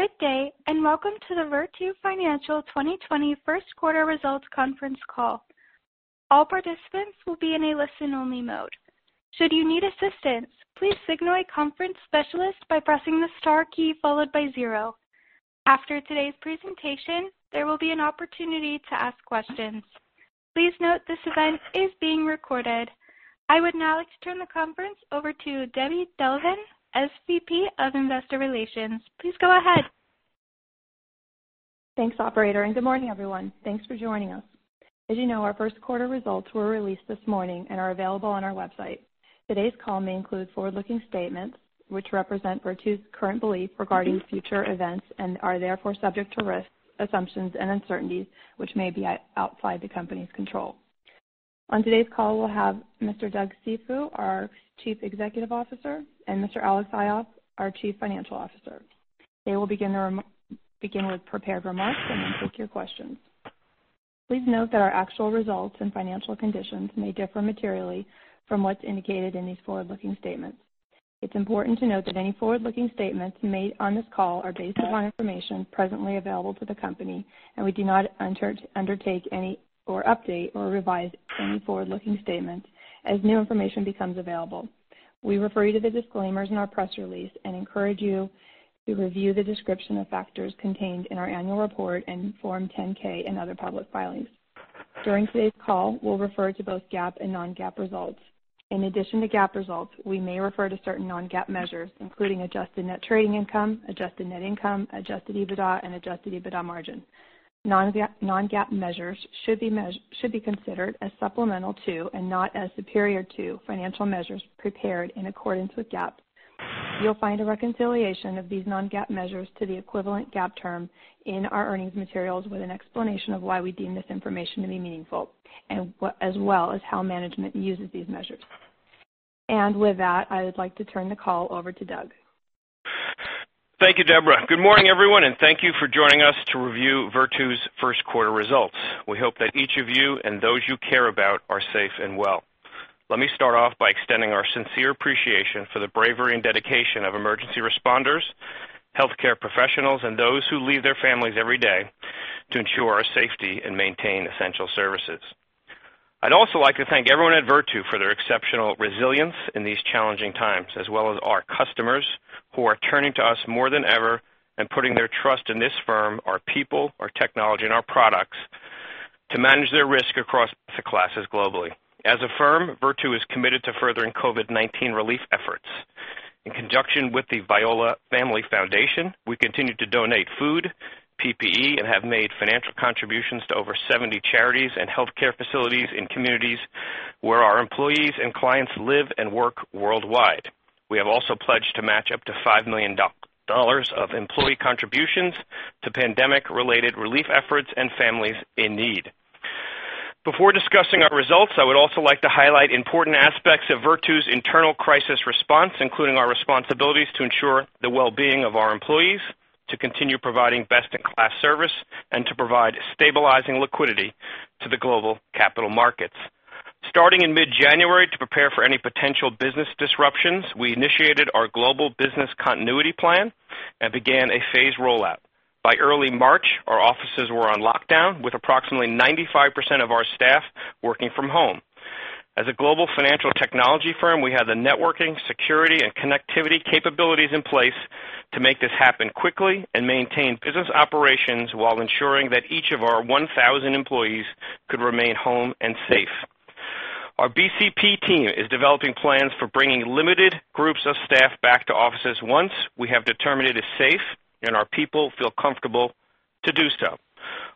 Good day, and welcome to the Virtu Financial 2020 First Quarter Results Conference call. All participants will be in a listen-only mode. Should you need assistance, please signal a conference specialist by pressing the star key followed by zero. After today's presentation, there will be an opportunity to ask questions. Please note this event is being recorded. I would now like to turn the conference over to Debbie Belevan, SVP of Investor Relations. Please go ahead. Thanks, Operator, and good morning, everyone. Thanks for joining us. As you know, our first quarter results were released this morning and are available on our website. Today's call may include forward-looking statements which represent Virtu's current belief regarding future events and are therefore subject to risk assumptions and uncertainties which may be outside the company's control. On today's call, we'll have Mr. Doug Cifu, our Chief Executive Officer, and Mr. Alex Ioffe, our Chief Financial Officer. They will begin with prepared remarks and then take your questions. Please note that our actual results and financial conditions may differ materially from what's indicated in these forward-looking statements. It's important to note that any forward-looking statements made on this call are based upon information presently available to the company, and we do not undertake any obligation to update or revise any forward-looking statements as new information becomes available. We refer you to the disclaimers in our press release and encourage you to review the description of factors contained in our annual report and Form 10-K and other public filings. During today's call, we'll refer to both GAAP and non-GAAP results. In addition to GAAP results, we may refer to certain non-GAAP measures, including adjusted net trading income, adjusted net income, adjusted EBITDA, and adjusted EBITDA margin. Non-GAAP measures should be considered as supplemental to and not as superior to financial measures prepared in accordance with GAAP. You'll find a reconciliation of these non-GAAP measures to the equivalent GAAP term in our earnings materials with an explanation of why we deem this information to be meaningful, as well as how management uses these measures. And with that, I would like to turn the call over to Doug. Thank you, Deborah. Good morning, everyone, and thank you for joining us to review Virtu's first quarter results. We hope that each of you and those you care about are safe and well. Let me start off by extending our sincere appreciation for the bravery and dedication of emergency responders, healthcare professionals, and those who leave their families every day to ensure our safety and maintain essential services. I'd also like to thank everyone at Virtu for their exceptional resilience in these challenging times, as well as our customers who are turning to us more than ever and putting their trust in this firm, our people, our technology, and our products to manage their risk across the classes globally. As a firm, Virtu is committed to furthering COVID-19 relief efforts. In conjunction with the Viola Family Foundation, we continue to donate food, PPE, and have made financial contributions to over 70 charities and healthcare facilities in communities where our employees and clients live and work worldwide. We have also pledged to match up to $5 million of employee contributions to pandemic-related relief efforts and families in need. Before discussing our results, I would also like to highlight important aspects of Virtu's internal crisis response, including our responsibilities to ensure the well-being of our employees, to continue providing best-in-class service, and to provide stabilizing liquidity to the global capital markets. Starting in mid-January, to prepare for any potential business disruptions, we initiated our Global Business Continuity Plan and began a phased rollout. By early March, our offices were on lockdown with approximately 95% of our staff working from home. As a global financial technology firm, we had the networking, security, and connectivity capabilities in place to make this happen quickly and maintain business operations while ensuring that each of our 1,000 employees could remain home and safe. Our BCP team is developing plans for bringing limited groups of staff back to offices once we have determined it is safe and our people feel comfortable to do so.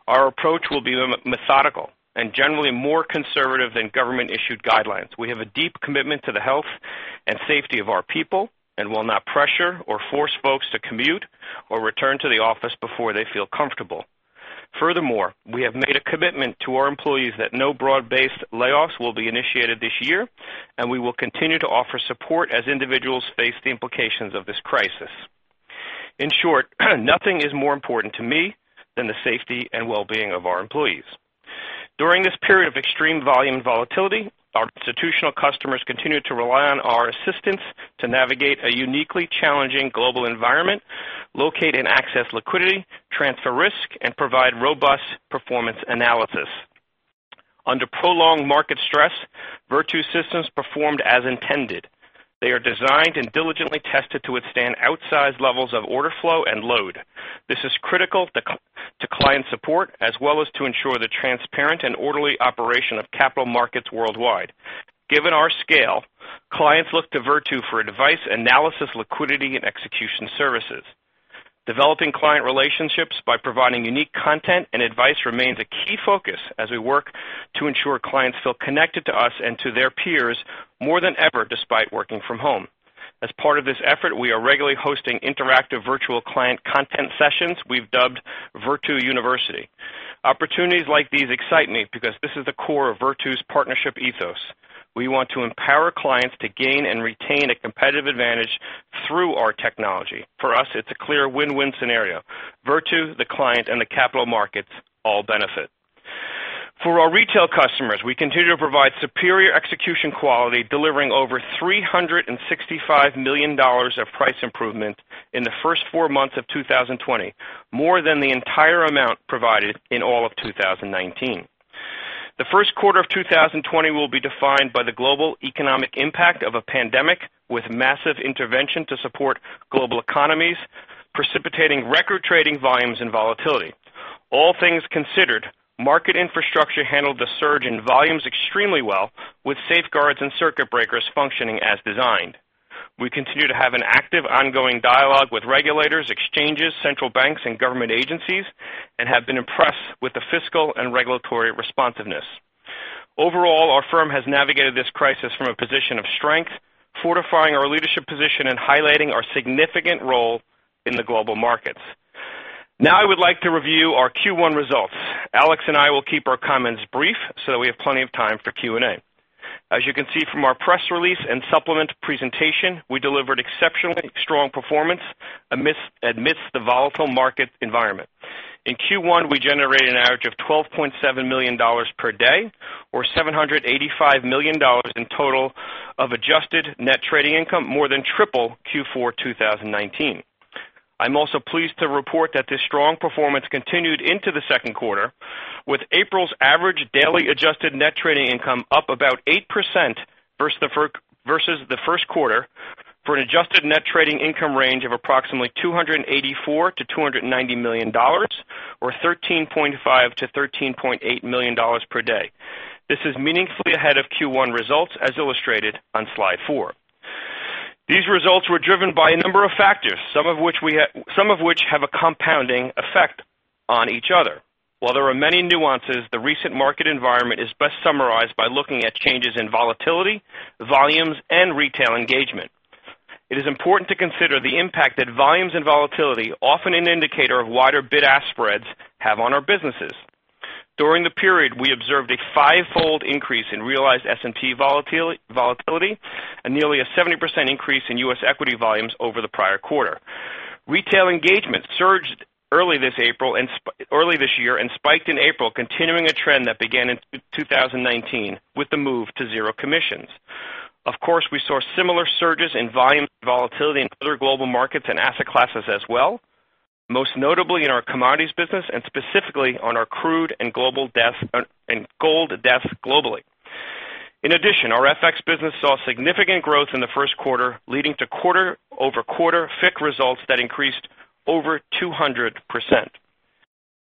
Our approach will be methodical and generally more conservative than government-issued guidelines. We have a deep commitment to the health and safety of our people and will not pressure or force folks to commute or return to the office before they feel comfortable. Furthermore, we have made a commitment to our employees that no broad-based layoffs will be initiated this year, and we will continue to offer support as individuals face the implications of this crisis. In short, nothing is more important to me than the safety and well-being of our employees. During this period of extreme volume volatility, our institutional customers continue to rely on our assistance to navigate a uniquely challenging global environment, locate and access liquidity, transfer risk, and provide robust performance analysis. Under prolonged market stress, Virtu systems performed as intended. They are designed and diligently tested to withstand outsized levels of order flow and load. This is critical to client support as well as to ensure the transparent and orderly operation of capital markets worldwide. Given our scale, clients look to Virtu for advice, analysis, liquidity, Execution Services. developing client relationships by providing unique content and advice remains a key focus as we work to ensure clients feel connected to us and to their peers more than ever despite working from home. As part of this effort, we are regularly hosting interactive virtual client content sessions we've dubbed Virtu University. Opportunities like these excite me because this is the core of Virtu's partnership ethos. We want to empower clients to gain and retain a competitive advantage through our technology. For us, it's a clear win-win scenario. Virtu, the client, and the capital markets all benefit. For our retail customers, we continue to provide superior execution quality, delivering over $365 million of price improvement in the first four months of 2020, more than the entire amount provided in all of 2019. The first quarter of 2020 will be defined by the global economic impact of a pandemic with massive intervention to support global economies, precipitating record trading volumes and volatility. All things considered, market infrastructure handled the surge in volumes extremely well, with safeguards and circuit breakers functioning as designed. We continue to have an active, ongoing dialogue with regulators, exchanges, central banks, and government agencies and have been impressed with the fiscal and regulatory responsiveness. Overall, our firm has navigated this crisis from a position of strength, fortifying our leadership position and highlighting our significant role in the global markets. Now, I would like to review our Q1 results. Alex and I will keep our comments brief so that we have plenty of time for Q&A. As you can see from our press release and supplement presentation, we delivered exceptionally strong performance amidst the volatile market environment. In Q1, we generated an average of $12.7 million per day or $785 million in total of adjusted net trading income, more than triple Q4 2019. I'm also pleased to report that this strong performance continued into the second quarter, with April's average daily adjusted net trading income up about 8% versus the first quarter for an adjusted net trading income range of approximately $284 million-$290 million or $13.5 million-$13.8 million per day. This is meaningfully ahead of Q1 results, as illustrated on Slide 4. These results were driven by a number of factors, some of which have a compounding effect on each other. While there are many nuances, the recent market environment is best summarized by looking at changes in volatility, volumes, and retail engagement. It is important to consider the impact that volumes and volatility, often an indicator of wider bid-ask spreads, have on our businesses. During the period, we observed a fivefold increase in realized S&P volatility and nearly a 70% increase in U.S. equity volumes over the prior quarter. Retail engagement surged early this year and spiked in April, continuing a trend that began in 2019 with the move to zero commissions. Of course, we saw similar surges in volume volatility in other global markets and asset classes as well, most notably in our commodities business and specifically on our crude and gold desks globally. In addition, our FX business saw significant growth in the first quarter, leading to quarter-over-quarter FICC results that increased over 200%.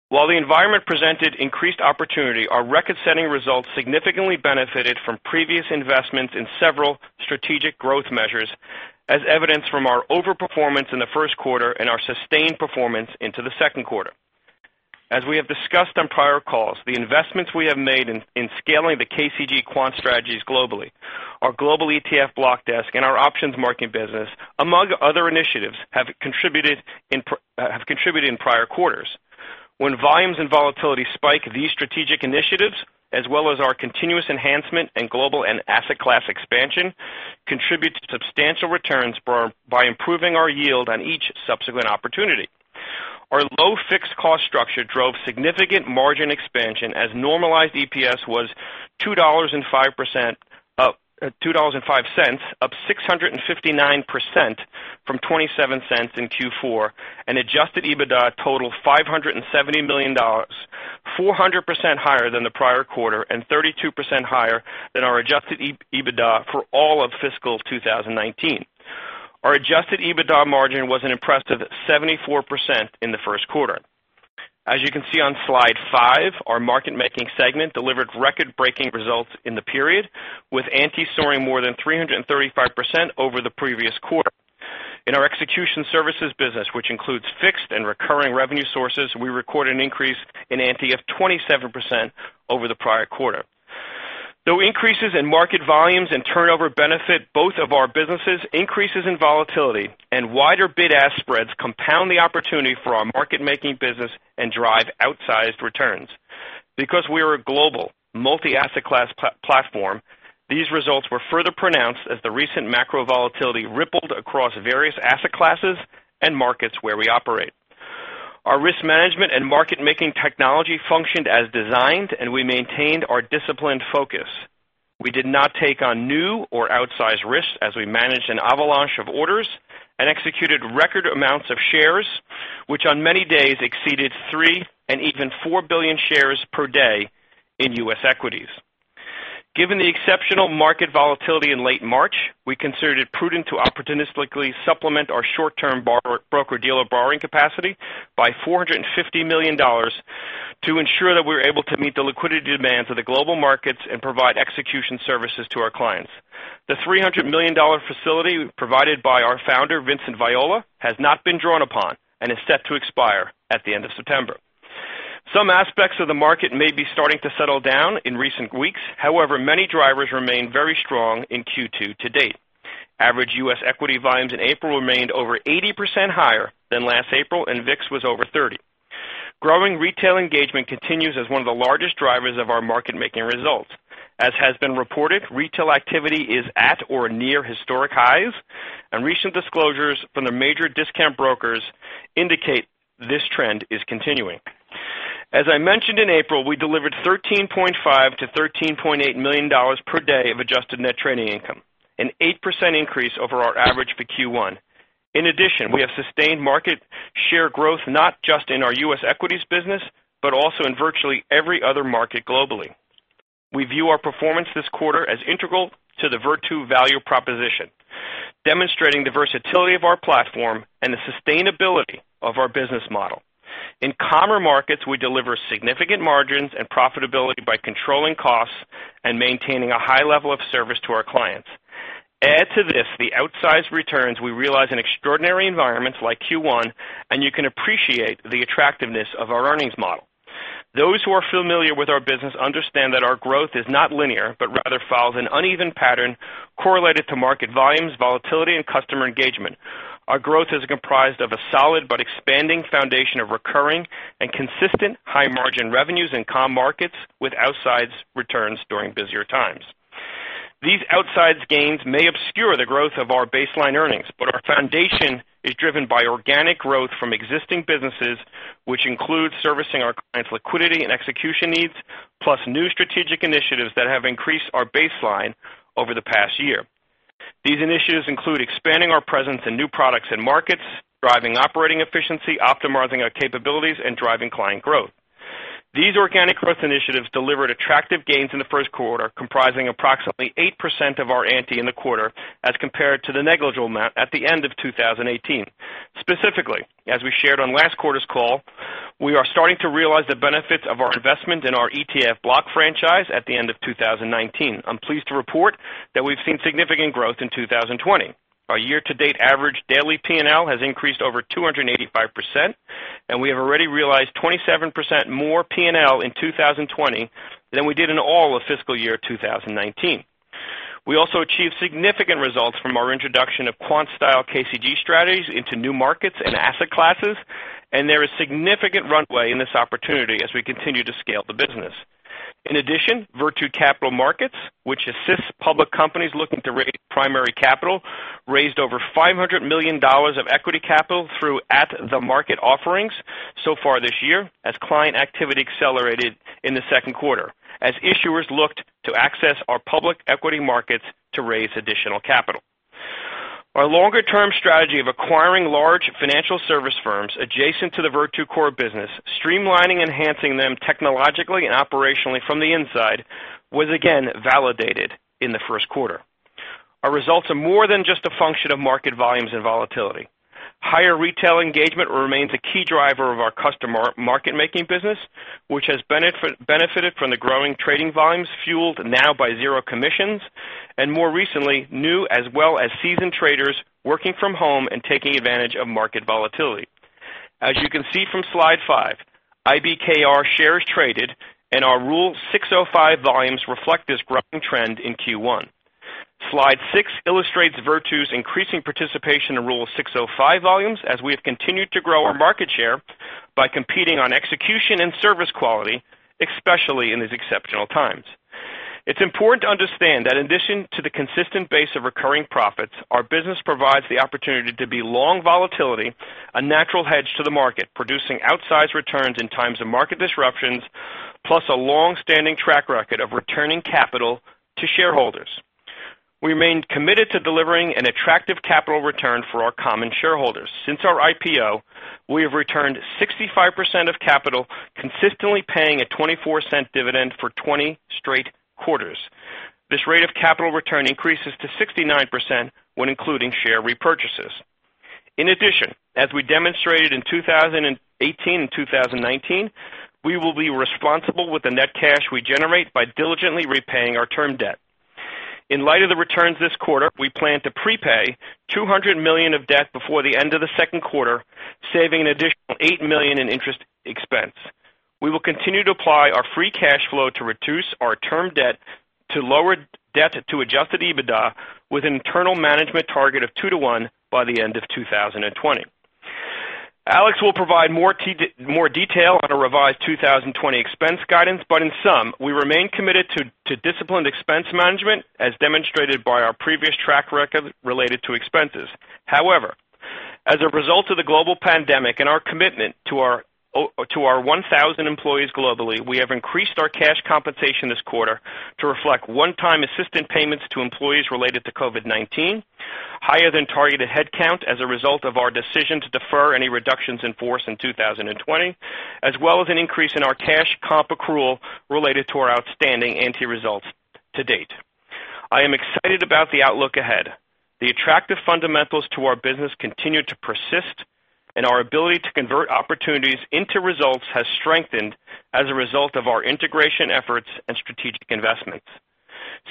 While the environment presented increased opportunity, our record-setting results significantly benefited from previous investments in several strategic growth measures, as evidenced from our overperformance in the first quarter and our sustained performance into the second quarter. As we have discussed on prior calls, the investments we have made in scaling the KCG quant strategies globally, our global ETF block desk, and our options market business, among other initiatives, have contributed in prior quarters. When volumes and volatility spike, these strategic initiatives, as well as our continuous enhancement and global and asset class expansion, contribute to substantial returns by improving our yield on each subsequent opportunity. Our low fixed cost structure drove significant margin expansion as normalized EPS was $2.05, up 659% from $0.27 in Q4, and adjusted EBITDA totaled $570 million, 400% higher than the prior quarter and 32% higher than our adjusted EBITDA for all of fiscal 2019. Our adjusted EBITDA margin was an impressive 74% in the first quarter. As you can see on Slide 5, Market Making segment delivered record-breaking results in the period, with ANTI soaring more than 335% over the previous quarter. In Execution Services business, which includes fixed and recurring revenue sources, we recorded an increase in ANTI of 27% over the prior quarter. Though increases in market volumes and turnover benefit both of our businesses, increases in volatility and wider bid-ask spreads compound the opportunity for our Market Making business and drive outsized returns. Because we are a global, multi-asset class platform, these results were further pronounced as the recent macro volatility rippled across various asset classes and markets where we operate. Our risk management and Market Making technology functioned as designed, and we maintained our disciplined focus. We did not take on new or outsized risks as we managed an avalanche of orders and executed record amounts of shares, which on many days exceeded three and even four billion shares per day in U.S. equities. Given the exceptional market volatility in late March, we considered it prudent to opportunistically supplement our short-term broker-dealer borrowing capacity by $450 million to ensure that we were able to meet the liquidity demands of the global markets and provide execution services to our clients. The $300 million facility provided by our founder, Vincent Viola, has not been drawn upon and is set to expire at the end of September. Some aspects of the market may be starting to settle down in recent weeks. However, many drivers remain very strong in Q2 to date. Average U.S. equity volumes in April remained over 80% higher than last April, and VIX was over 30%. Growing retail engagement continues as one of the largest drivers of our Market Making results. As has been reported, retail activity is at or near historic highs, and recent disclosures from the major discount brokers indicate this trend is continuing. As I mentioned in April, we delivered $13.5 million-$13.8 million per day of adjusted net trading income, an 8% increase over our average for Q1. In addition, we have sustained market share growth not just in our U.S. equities business but also in virtually every other market globally. We view our performance this quarter as integral to the Virtu value proposition, demonstrating the versatility of our platform and the sustainability of our business model. In calmer markets, we deliver significant margins and profitability by controlling costs and maintaining a high level of service to our clients. Add to this the outsized returns we realize in extraordinary environments like Q1, and you can appreciate the attractiveness of our earnings model. Those who are familiar with our business understand that our growth is not linear but rather follows an uneven pattern correlated to market volumes, volatility, and customer engagement. Our growth is comprised of a solid but expanding foundation of recurring and consistent high-margin revenues in calm markets with outsized returns during busier times. These outsized gains may obscure the growth of our baseline earnings, but our foundation is driven by organic growth from existing businesses, which includes servicing our clients' liquidity and execution needs, plus new strategic initiatives that have increased our baseline over the past year. These initiatives include expanding our presence in new products and markets, driving operating efficiency, optimizing our capabilities, and driving client growth. These organic growth initiatives delivered attractive gains in the first quarter, comprising approximately 8% of our ANTI in the quarter as compared to the negligible amount at the end of 2018. Specifically, as we shared on last quarter's call, we are starting to realize the benefits of our investment in our ETF block franchise at the end of 2019. I'm pleased to report that we've seen significant growth in 2020. Our year-to-date average daily P&L has increased over 285%, and we have already realized 27% more P&L in 2020 than we did in all of fiscal year 2019. We also achieved significant results from our introduction of quant-style KCG strategies into new markets and asset classes, and there is significant runway in this opportunity as we continue to scale the business. In addition, Virtu Capital Markets, which assists public companies looking to raise primary capital, raised over $500 million of equity capital through at-the-market offerings so far this year as client activity accelerated in the second quarter, as issuers looked to access our public equity markets to raise additional capital. Our longer-term strategy of acquiring large financial service firms adjacent to the Virtu core business, streamlining and enhancing them technologically and operationally from the inside, was again validated in the first quarter. Our results are more than just a function of market volumes and volatility. Higher retail engagement remains a key driver of our customer Market Making business, which has benefited from the growing trading volumes fueled now by zero commissions and, more recently, new as well as seasoned traders working from home and taking advantage of market volatility. As you can see from Slide 5, IBKR shares traded, and our Rule 605 volumes reflect this growing trend in Q1. Slide 6 illustrates Virtu's increasing participation in Rule 605 volumes as we have continued to grow our market share by competing on execution and service quality, especially in these exceptional times. It's important to understand that in addition to the consistent base of recurring profits, our business provides the opportunity to be long volatility, a natural hedge to the market, producing outsized returns in times of market disruptions, plus a long-standing track record of returning capital to shareholders. We remain committed to delivering an attractive capital return for our common shareholders. Since our IPO, we have returned 65% of capital, consistently paying a $0.24 dividend for 20 straight quarters. This rate of capital return increases to 69% when including share repurchases. In addition, as we demonstrated in 2018 and 2019, we will be responsible with the net cash we generate by diligently repaying our term debt. In light of the returns this quarter, we plan to prepay $200 million of debt before the end of the second quarter, saving an additional $8 million in interest expense. We will continue to apply our free cash flow to reduce our term debt to adjusted EBITDA with an internal management target of 2:1 by the end of 2020. Alex will provide more detail on our revised 2020 expense guidance, but in sum, we remain committed to disciplined expense management, as demonstrated by our previous track record related to expenses. However, as a result of the global pandemic and our commitment to our 1,000 employees globally, we have increased our cash compensation this quarter to reflect one-time assistance payments to employees related to COVID-19, higher than targeted headcount as a result of our decision to defer any reductions in force in 2020, as well as an increase in our cash comp accrual related to our outstanding ANTI results to date. I am excited about the outlook ahead. The attractive fundamentals to our business continue to persist, and our ability to convert opportunities into results has strengthened as a result of our integration efforts and strategic investments.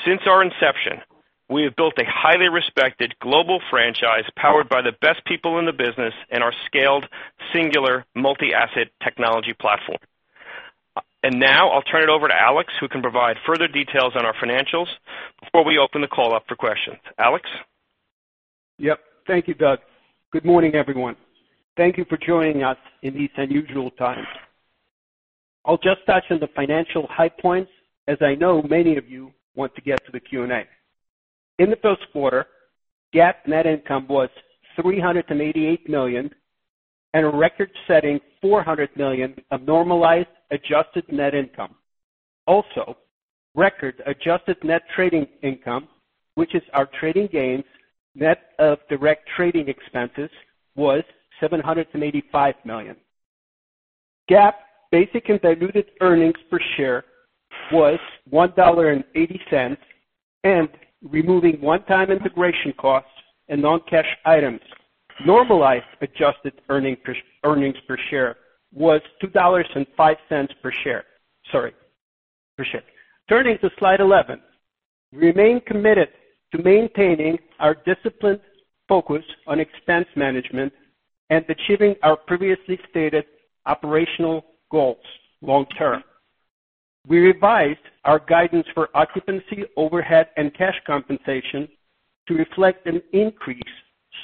Since our inception, we have built a highly respected global franchise powered by the best people in the business and our scaled singular multi-asset technology platform. And now I'll turn it over to Alex, who can provide further details on our financials before we open the call up for questions. Alex? Yep. Thank you, Doug. Good morning, everyone. Thank you for joining us in these unusual times. I'll just touch on the financial high points, as I know many of you want to get to the Q&A. In the fiscal quarter, GAAP net income was $388 million and a record-setting $400 million of normalized adjusted net income. Also, reported adjusted net trading income, which is our trading gains, net of direct trading expenses, was $785 million. GAAP basic and diluted earnings per share was $1.80, and removing one-time integration costs and non-cash items, normalized adjusted earnings per share was $2.05 per share. Sorry. Per share. Turning to Slide 11, we remain committed to maintaining our disciplined focus on expense management and achieving our previously stated operational goals long-term. We revised our guidance for occupancy, overhead, and cash compensation to reflect an increase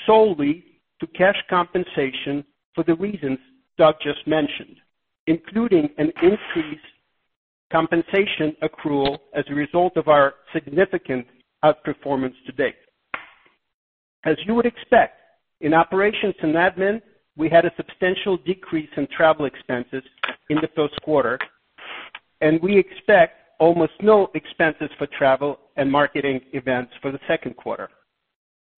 solely to cash compensation for the reasons Doug just mentioned, including an increased compensation accrual as a result of our significant outperformance to date. As you would expect, in operations and admin, we had a substantial decrease in travel expenses in the fiscal quarter, and we expect almost no expenses for travel and marketing events for the second quarter.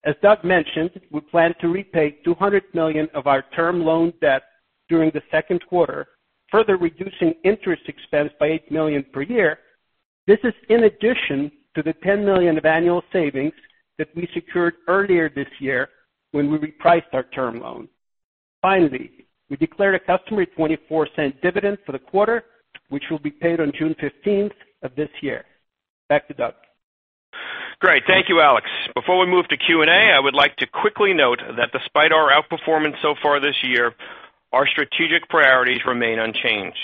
As Doug mentioned, we plan to repay $200 million of our term loan debt during the second quarter, further reducing interest expense by $8 million per year. This is in addition to the $10 million of annual savings that we secured earlier this year when we repriced our term loan. Finally, we declared a quarterly $0.24 dividend for the quarter, which will be paid on June 15th of this year. Back to Doug. Great. Thank you, Alex. Before we move to Q&A, I would like to quickly note that despite our outperformance so far this year, our strategic priorities remain unchanged.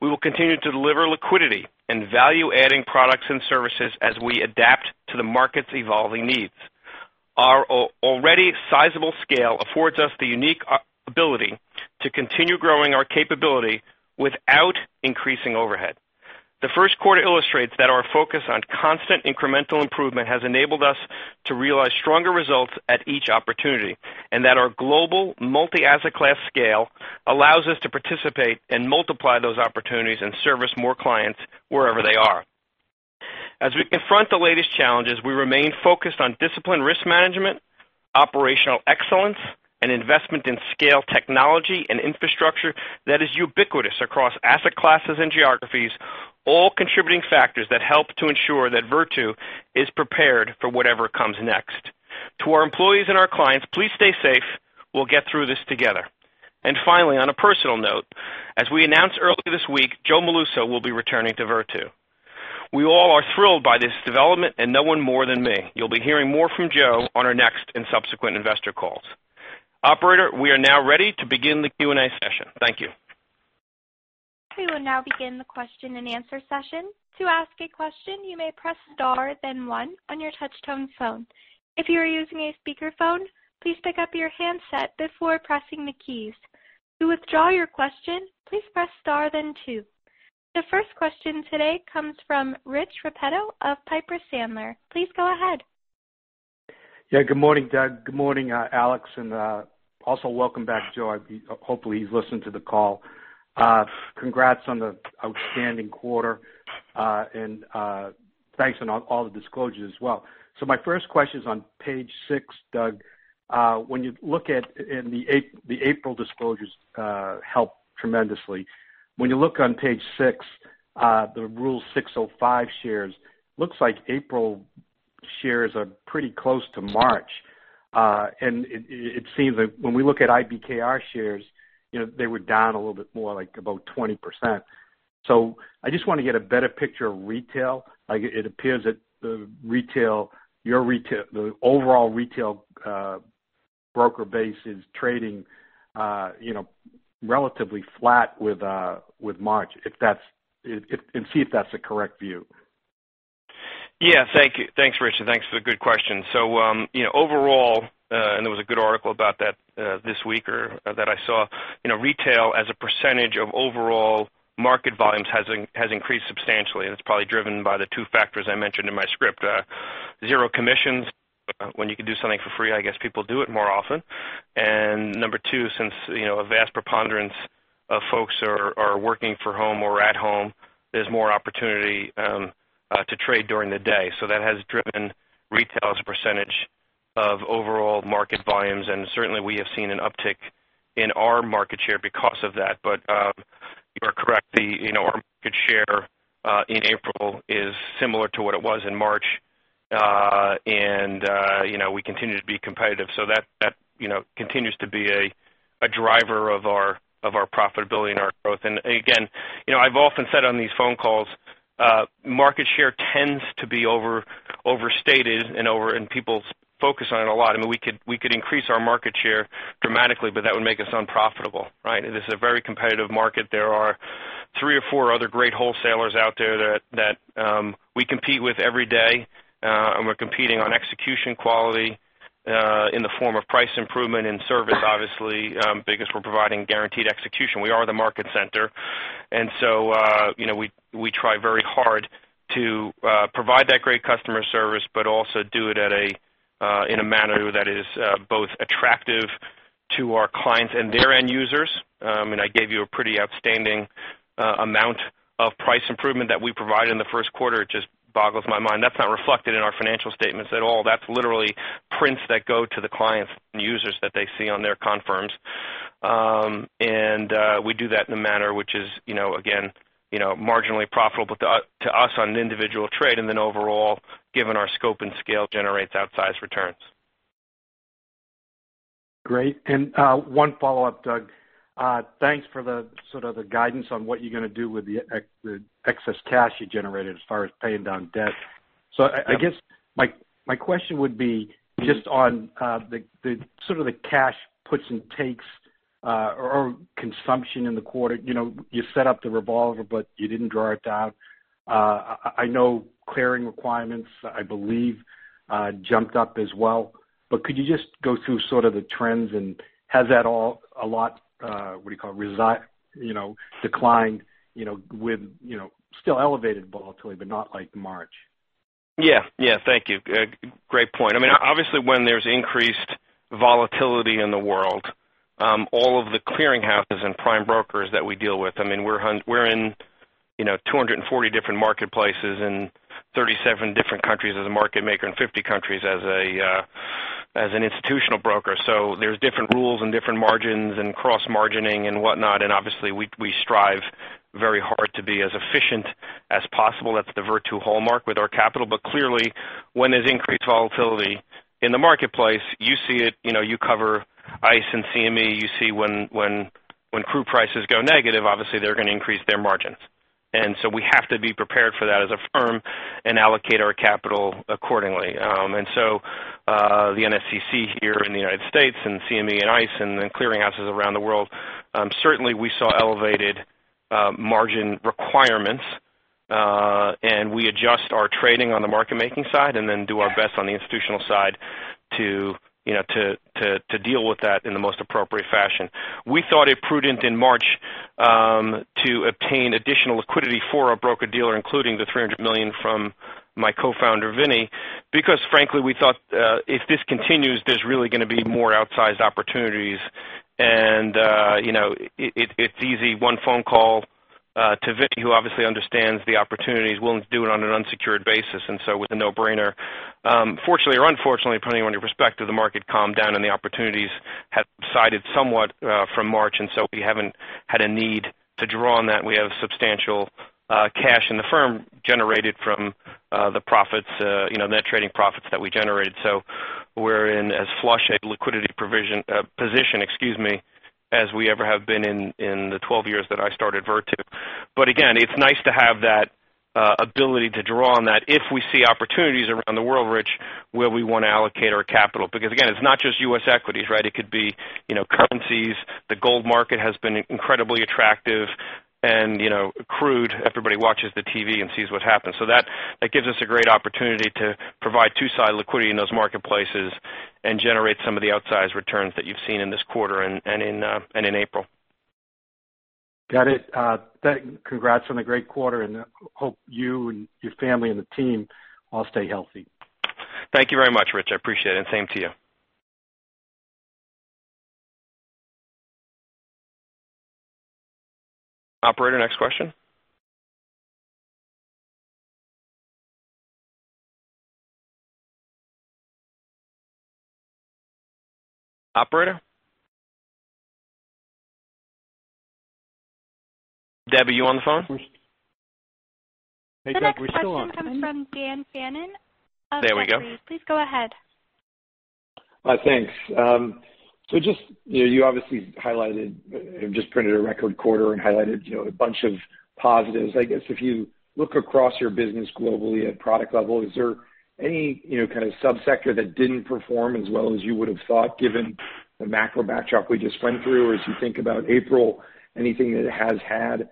We will continue to deliver liquidity and value-adding products and services as we adapt to the market's evolving needs. Our already sizable scale affords us the unique ability to continue growing our capability without increasing overhead. The first quarter illustrates that our focus on constant incremental improvement has enabled us to realize stronger results at each opportunity and that our global multi-asset class scale allows us to participate and multiply those opportunities and service more clients wherever they are. As we confront the latest challenges, we remain focused on disciplined risk management, operational excellence, and investment in scale technology and infrastructure that is ubiquitous across asset classes and geographies, all contributing factors that help to ensure that Virtu is prepared for whatever comes next. To our employees and our clients, please stay safe. We'll get through this together. And finally, on a personal note, as we announced earlier this week, Joe Molluso will be returning to Virtu. We all are thrilled by this development and no one more than me. You'll be hearing more from Joe on our next and subsequent investor calls. Operator, we are now ready to begin the Q&A session. Thank you. We will now begin the question and answer session. To ask a question, you may press star, then one, on your touch-tone phone. If you are using a speakerphone, please pick up your handset before pressing the keys. To withdraw your question, please press star, then two. The first question today comes from Rich Repetto of Piper Sandler. Please go ahead. Yeah. Good morning, Doug. Good morning, Alex. And also welcome back, Joe. Hopefully, he's listening to the call. Congrats on the outstanding quarter, and thanks on all the disclosures as well. So my first question is on Page 6, Doug. When you look at the April disclosures help tremendously. When you look on Page 6, the Rule 605 shares, it looks like April shares are pretty close to March. And it seems that when we look at IBKR shares, they were down a little bit more, like about 20%. So I just want to get a better picture of retail. It appears that your overall retail broker base is trading relatively flat with March, and see if that's a correct view. Yeah. Thank you. Thanks, Richard. Thanks for the good question. So overall, and there was a good article about that this week or that I saw, retail as a percentage of overall market volumes has increased substantially, and it's probably driven by the two factors I mentioned in my script. Zero commissions. When you can do something for free, I guess people do it more often. And number two, since a vast preponderance of folks are working from home or at home, there's more opportunity to trade during the day. So that has driven retail as a percentage of overall market volumes. And certainly, we have seen an uptick in our market share because of that. But you are correct. Our market share in April is similar to what it was in March, and we continue to be competitive. So that continues to be a driver of our profitability and our growth. And again, I've often said on these phone calls, market share tends to be overstated, and people focus on it a lot. I mean, we could increase our market share dramatically, but that would make us unprofitable, right? This is a very competitive market. There are three or four other great wholesalers out there that we compete with every day, and we're competing on execution quality in the form of price improvement and service, obviously, because we're providing guaranteed execution. We are the market center. And so we try very hard to provide that great customer service, but also do it in a manner that is both attractive to our clients and their end users. I mean, I gave you a pretty outstanding amount of price improvement that we provided in the first quarter. It just boggles my mind. That's not reflected in our financial statements at all. That's literally prints that go to the clients and users that they see on their confirms. And we do that in a manner which is, again, marginally profitable to us on an individual trade, and then overall, given our scope and scale, generates outsized returns. Great. And one follow-up, Doug. Thanks for the sort of guidance on what you're going to do with the excess cash you generated as far as paying down debt. I guess my question would be just on sort of the cash puts and takes or consumption in the quarter. You set up the revolver, but you didn't draw it down. I know clearing requirements, I believe, jumped up as well. But could you just go through sort of the trends and has that all a lot, what do you call it, declined with still elevated volatility, but not like March? Yeah. Yeah. Thank you. Great point. I mean, obviously, when there's increased volatility in the world, all of the clearing houses and prime brokers that we deal with, I mean, we're in 240 different marketplaces in 37 different countries as a market maker and 50 countries as an institutional broker. So there's different rules and different margins and cross-margining and whatnot. And obviously, we strive very hard to be as efficient as possible. That's the Virtu hallmark with our capital, but clearly, when there's increased volatility in the marketplace, you see it. You cover ICE and CME. You see when crude prices go negative, obviously, they're going to increase their margins, and so we have to be prepared for that as a firm and allocate our capital accordingly, and so the NSCC here in the United States and CME and ICE and clearing houses around the world, certainly, we saw elevated margin requirements, and we adjust our trading on the Market Making side and then do our best on the institutional side to deal with that in the most appropriate fashion. We thought it prudent in March to obtain additional liquidity for our broker-dealer, including the $300 million from my co-founder, Vinnie, because frankly, we thought if this continues, there's really going to be more outsized opportunities, and it's easy. One phone call to Vinnie, who obviously understands the opportunities, willing to do it on an unsecured basis, and so it was a no-brainer. Fortunately or unfortunately, depending on your perspective, the market calmed down and the opportunities had subsided somewhat from March. And so we haven't had a need to draw on that. We have substantial cash in the firm generated from the profits, net trading profits that we generated. So we're in as flush a liquidity position, excuse me, as we ever have been in the 12 years that I started Virtu. But again, it's nice to have that ability to draw on that if we see opportunities around the world, Rich, where we want to allocate our capital. Because again, it's not just U.S. equities, right? It could be currencies. The gold market has been incredibly attractive. And crude, everybody watches the TV and sees what happens. So that gives us a great opportunity to provide two-sided liquidity in those marketplaces and generate some of the outsized returns that you've seen in this quarter and in April. Got it. Congrats on a great quarter. And hope you and your family and the team all stay healthy. Thank you very much, Rich. I appreciate it. Operator, next question. Operator? Deb, are you on the phone? Hey, Doug. We're still on. The next question is coming from Dan Fannon from Jefferies. There we go. Please go ahead. Thanks. So just you obviously highlighted and just printed a record quarter and highlighted a bunch of positives. I guess if you look across your business globally at product level, is there any kind of subsector that didn't perform as well as you would have thought given the macro backdrop we just went through? Or as you think about April, anything that has had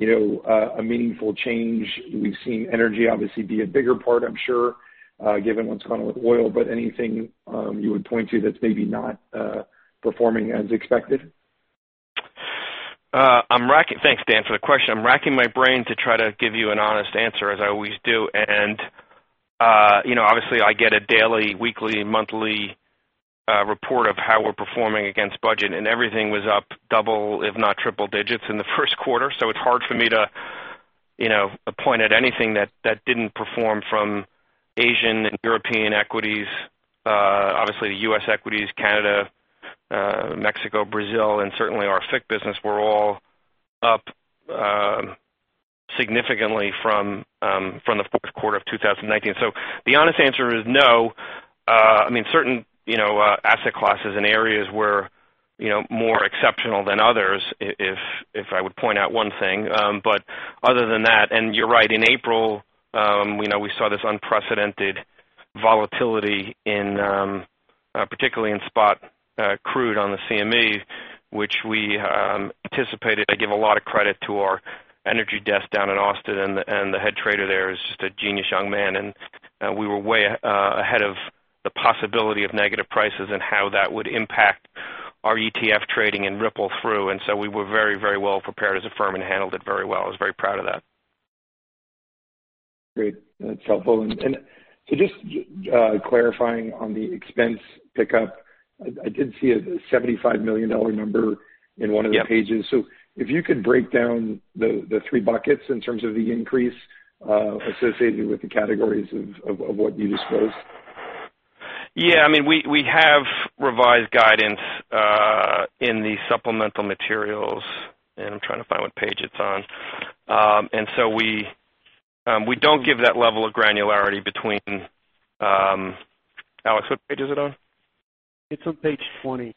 a meaningful change? We've seen energy, obviously, be a bigger part, I'm sure, given what's gone with oil. But anything you would point to that's maybe not performing as expected? Thanks, Dan, for the question. I'm racking my brain to try to give you an honest answer, as I always do, and obviously I get a daily, weekly, monthly report of how we're performing against budget, and everything was up double, if not triple digits in the first quarter, so it's hard for me to point at anything that didn't perform from Asian and European equities. Obviously, the U.S. equities, Canada, Mexico, Brazil, and certainly our FICC business were all up significantly from the fourth quarter of 2019, so the honest answer is no. I mean, certain asset classes and areas were more exceptional than others, if I would point out one thing. But other than that, and you're right, in April, we saw this unprecedented volatility, particularly in spot crude on the CME, which we anticipated. I give a lot of credit to our energy desk down in Austin. And the head trader there is just a genius young man. And we were way ahead of the possibility of negative prices and how that would impact our ETF trading and ripple through. And so we were very, very well prepared as a firm and handled it very well. I was very proud of that. Great. That's helpful. And so just clarifying on the expense pickup, I did see a $75 million number in one of the pages. So if you could break down the three buckets in terms of the increase associated with the categories of what you disclosed? Yeah. I mean, we have revised guidance in the supplemental materials. And I'm trying to find what page it's on. And so we don't give that level of granularity between. Alex, what page is it on? It's on Page 20.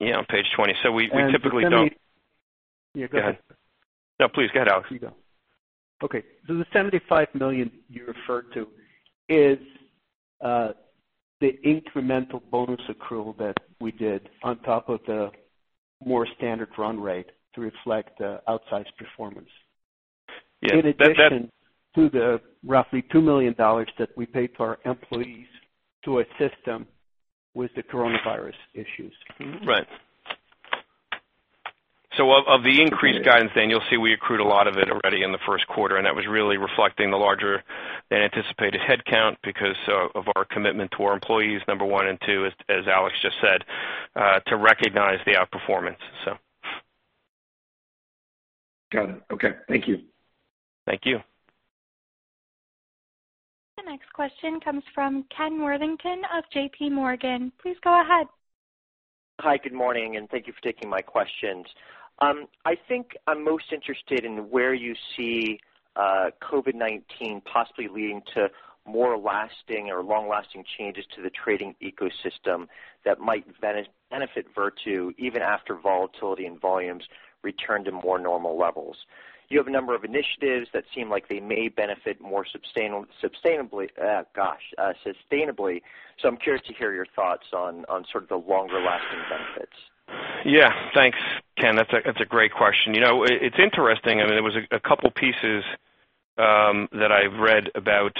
Yeah, on Page 20. So we typically don't. Yeah. Go ahead. No, please. Go ahead, Alex. Okay. So the $75 million you referred to is the incremental bonus accrual that we did on top of the more standard run rate to reflect the outsized performance. In addition to the roughly $2 million that we paid for our employees to assist them with the coronavirus issues. Right. So of the increased guidance, Dan, you'll see we accrued a lot of it already in the first quarter. And that was really reflecting the larger than anticipated headcount because of our commitment to our employees, number one and two, as Alex just said, to recognize the outperformance, so. Got it. Okay. Thank you. Thank you. The next question comes from Ken Worthington of JPMorgan. Please go ahead. Hi. Good morning, and thank you for taking my questions. I think I'm most interested in where you see COVID-19 possibly leading to more lasting or long-lasting changes to the trading ecosystem that might benefit Virtu even after volatility and volumes return to more normal levels. You have a number of initiatives that seem like they may benefit more sustainably. Gosh, sustainably, so I'm curious to hear your thoughts on sort of the longer-lasting benefits. Yeah. Thanks, Ken. That's a great question. It's interesting. I mean, there was a couple of pieces that I've read about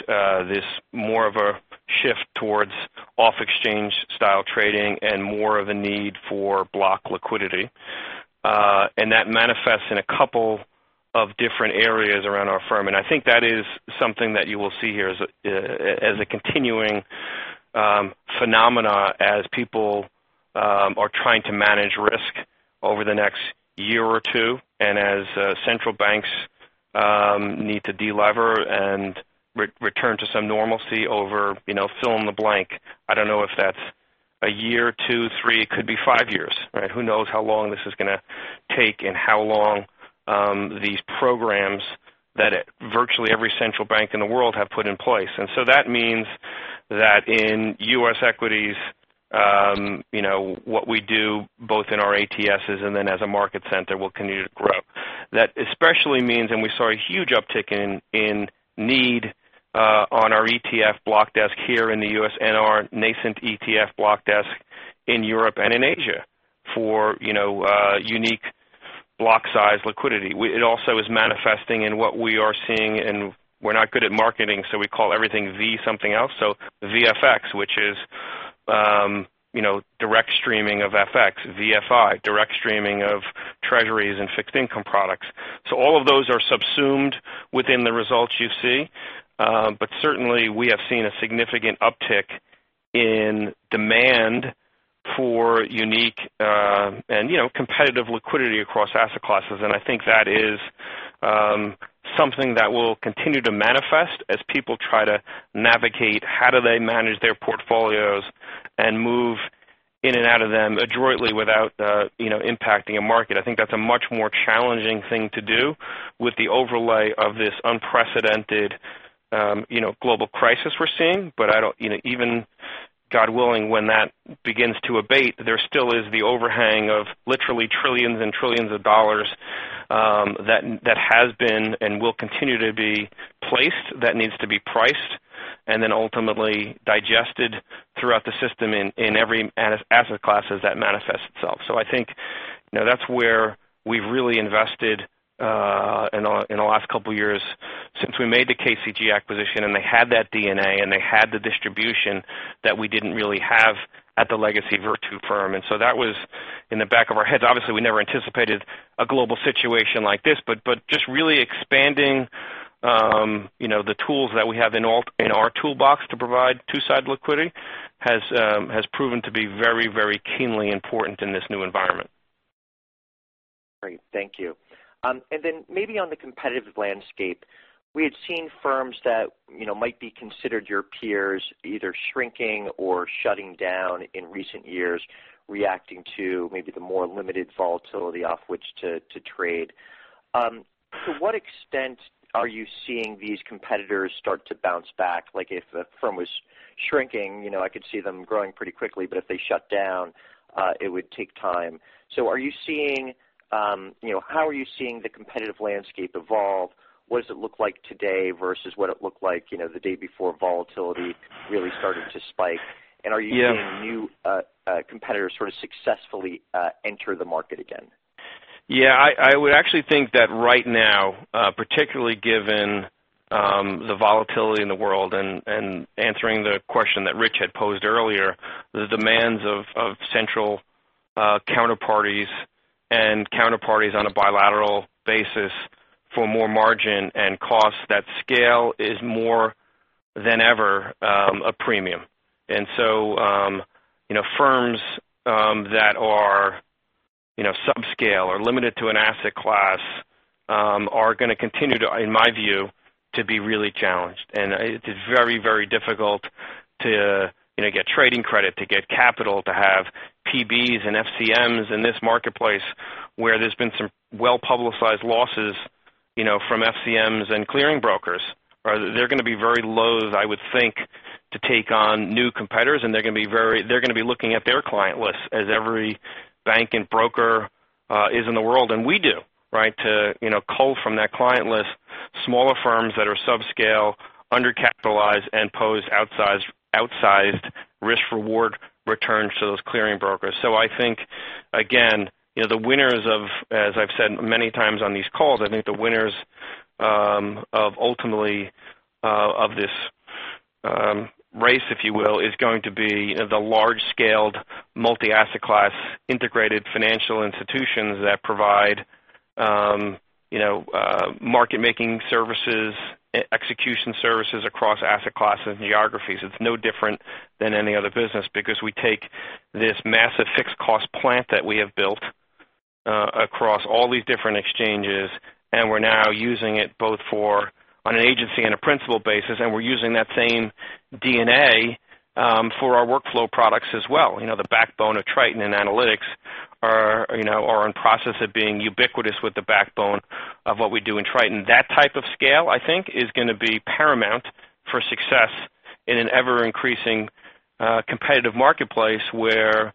this more of a shift towards off-exchange style trading and more of a need for block liquidity. And that manifests in a couple of different areas around our firm. And I think that is something that you will see here as a continuing phenomenon as people are trying to manage risk over the next year or two, and as central banks need to deliver and return to some normalcy over fill in the blank. I don't know if that's a year, two, three, it could be five years, right? Who knows how long this is going to take and how long these programs that virtually every central bank in the world have put in place. And so that means that in U.S. equities, what we do both in our ATSs and then as a market center will continue to grow. That especially means, and we saw a huge uptick in need on our ETF block desk here in the U.S. and our nascent ETF block desk in Europe and in Asia for unique block-size liquidity. It also is manifesting in what we are seeing. And we're not good at marketing, so we call everything V something else. So VFX, which is direct streaming of FX, VFI, direct streaming of treasuries and fixed income products. So all of those are subsumed within the results you see. But certainly, we have seen a significant uptick in demand for unique and competitive liquidity across asset classes. And I think that is something that will continue to manifest as people try to navigate how do they manage their portfolios and move in and out of them adroitly without impacting a market. I think that's a much more challenging thing to do with the overlay of this unprecedented global crisis we're seeing. But even God willing, when that begins to abate, there still is the overhang of literally trillions and trillions of dollars that has been and will continue to be placed that needs to be priced and then ultimately digested throughout the system in every asset class as that manifests itself. So I think that's where we've really invested in the last couple of years since we made the KCG acquisition. And they had that DNA, and they had the distribution that we didn't really have at the legacy Virtu firm. And so that was in the back of our heads. Obviously, we never anticipated a global situation like this. But just really expanding the tools that we have in our toolbox to provide two-sided liquidity has proven to be very, very keenly important in this new environment. Great. Thank you. And then maybe on the competitive landscape, we had seen firms that might be considered your peers either shrinking or shutting down in recent years, reacting to maybe the more limited volatility off which to trade. To what extent are you seeing these competitors start to bounce back? If a firm was shrinking, I could see them growing pretty quickly. But if they shut down, it would take time. So how are you seeing the competitive landscape evolve? What does it look like today versus what it looked like the day before volatility really started to spike? And are you seeing new competitors sort of successfully enter the market again? Yeah. I would actually think that right now, particularly given the volatility in the world and answering the question that Rich had posed earlier, the demands of central counterparties and counterparties on a bilateral basis for more margin and cost, that scale is more than ever a premium. And so firms that are subscale or limited to an asset class are going to continue to, in my view, to be really challenged. And it is very, very difficult to get trading credit, to get capital, to have PBs and FCMs in this marketplace where there's been some well-publicized losses from FCMs and clearing brokers. They're going to be very loath, I would think, to take on new competitors. And they're going to be looking at their client lists as every bank and broker is in the world. We do, right, to cull from that client list smaller firms that are subscale, undercapitalized, and pose outsized risk-reward returns to those clearing brokers. I think, again, the winners of, as I've said many times on these calls, I think the winners of ultimately of this race, if you will, is going to be the large-scaled multi-asset class integrated financial institutions that provide Market Making services, Execution Services across asset classes and geographies. It's no different than any other business because we take this massive fixed-cost plant that we have built across all these different exchanges, and we're now using it both on an agency and a principal basis, and we're using that same DNA for our workflow products as well. The backbone of Triton and analytics are in process of being ubiquitous with the backbone of what we do in Triton. That type of scale, I think, is going to be paramount for success in an ever-increasing competitive marketplace where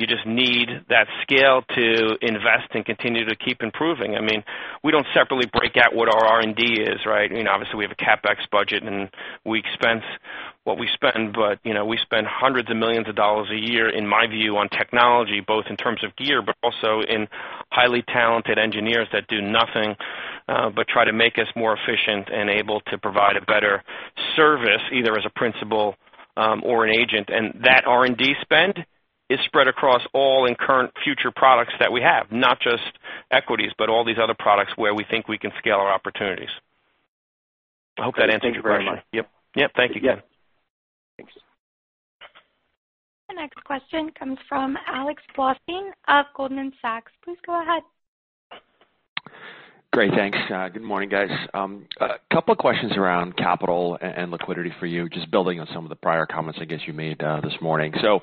you just need that scale to invest and continue to keep improving. I mean, we don't separately break out what our R&D is, right? Obviously, we have a CapEx budget, and we expense what we spend. But we spend hundreds of millions of dollars a year, in my view, on technology, both in terms of gear but also in highly talented engineers that do nothing but try to make us more efficient and able to provide a better service either as a principal or an agent. And that R&D spend is spread across all in current future products that we have, not just equities but all these other products where we think we can scale our opportunities. I hope that answers your question. Yep. Yep. Thank you, Ken. Thanks. The next question comes from Alex Blostein of Goldman Sachs. Please go ahead. Great. Thanks. Good morning, guys. A couple of questions around capital and liquidity for you, just building on some of the prior comments I guess you made this morning. So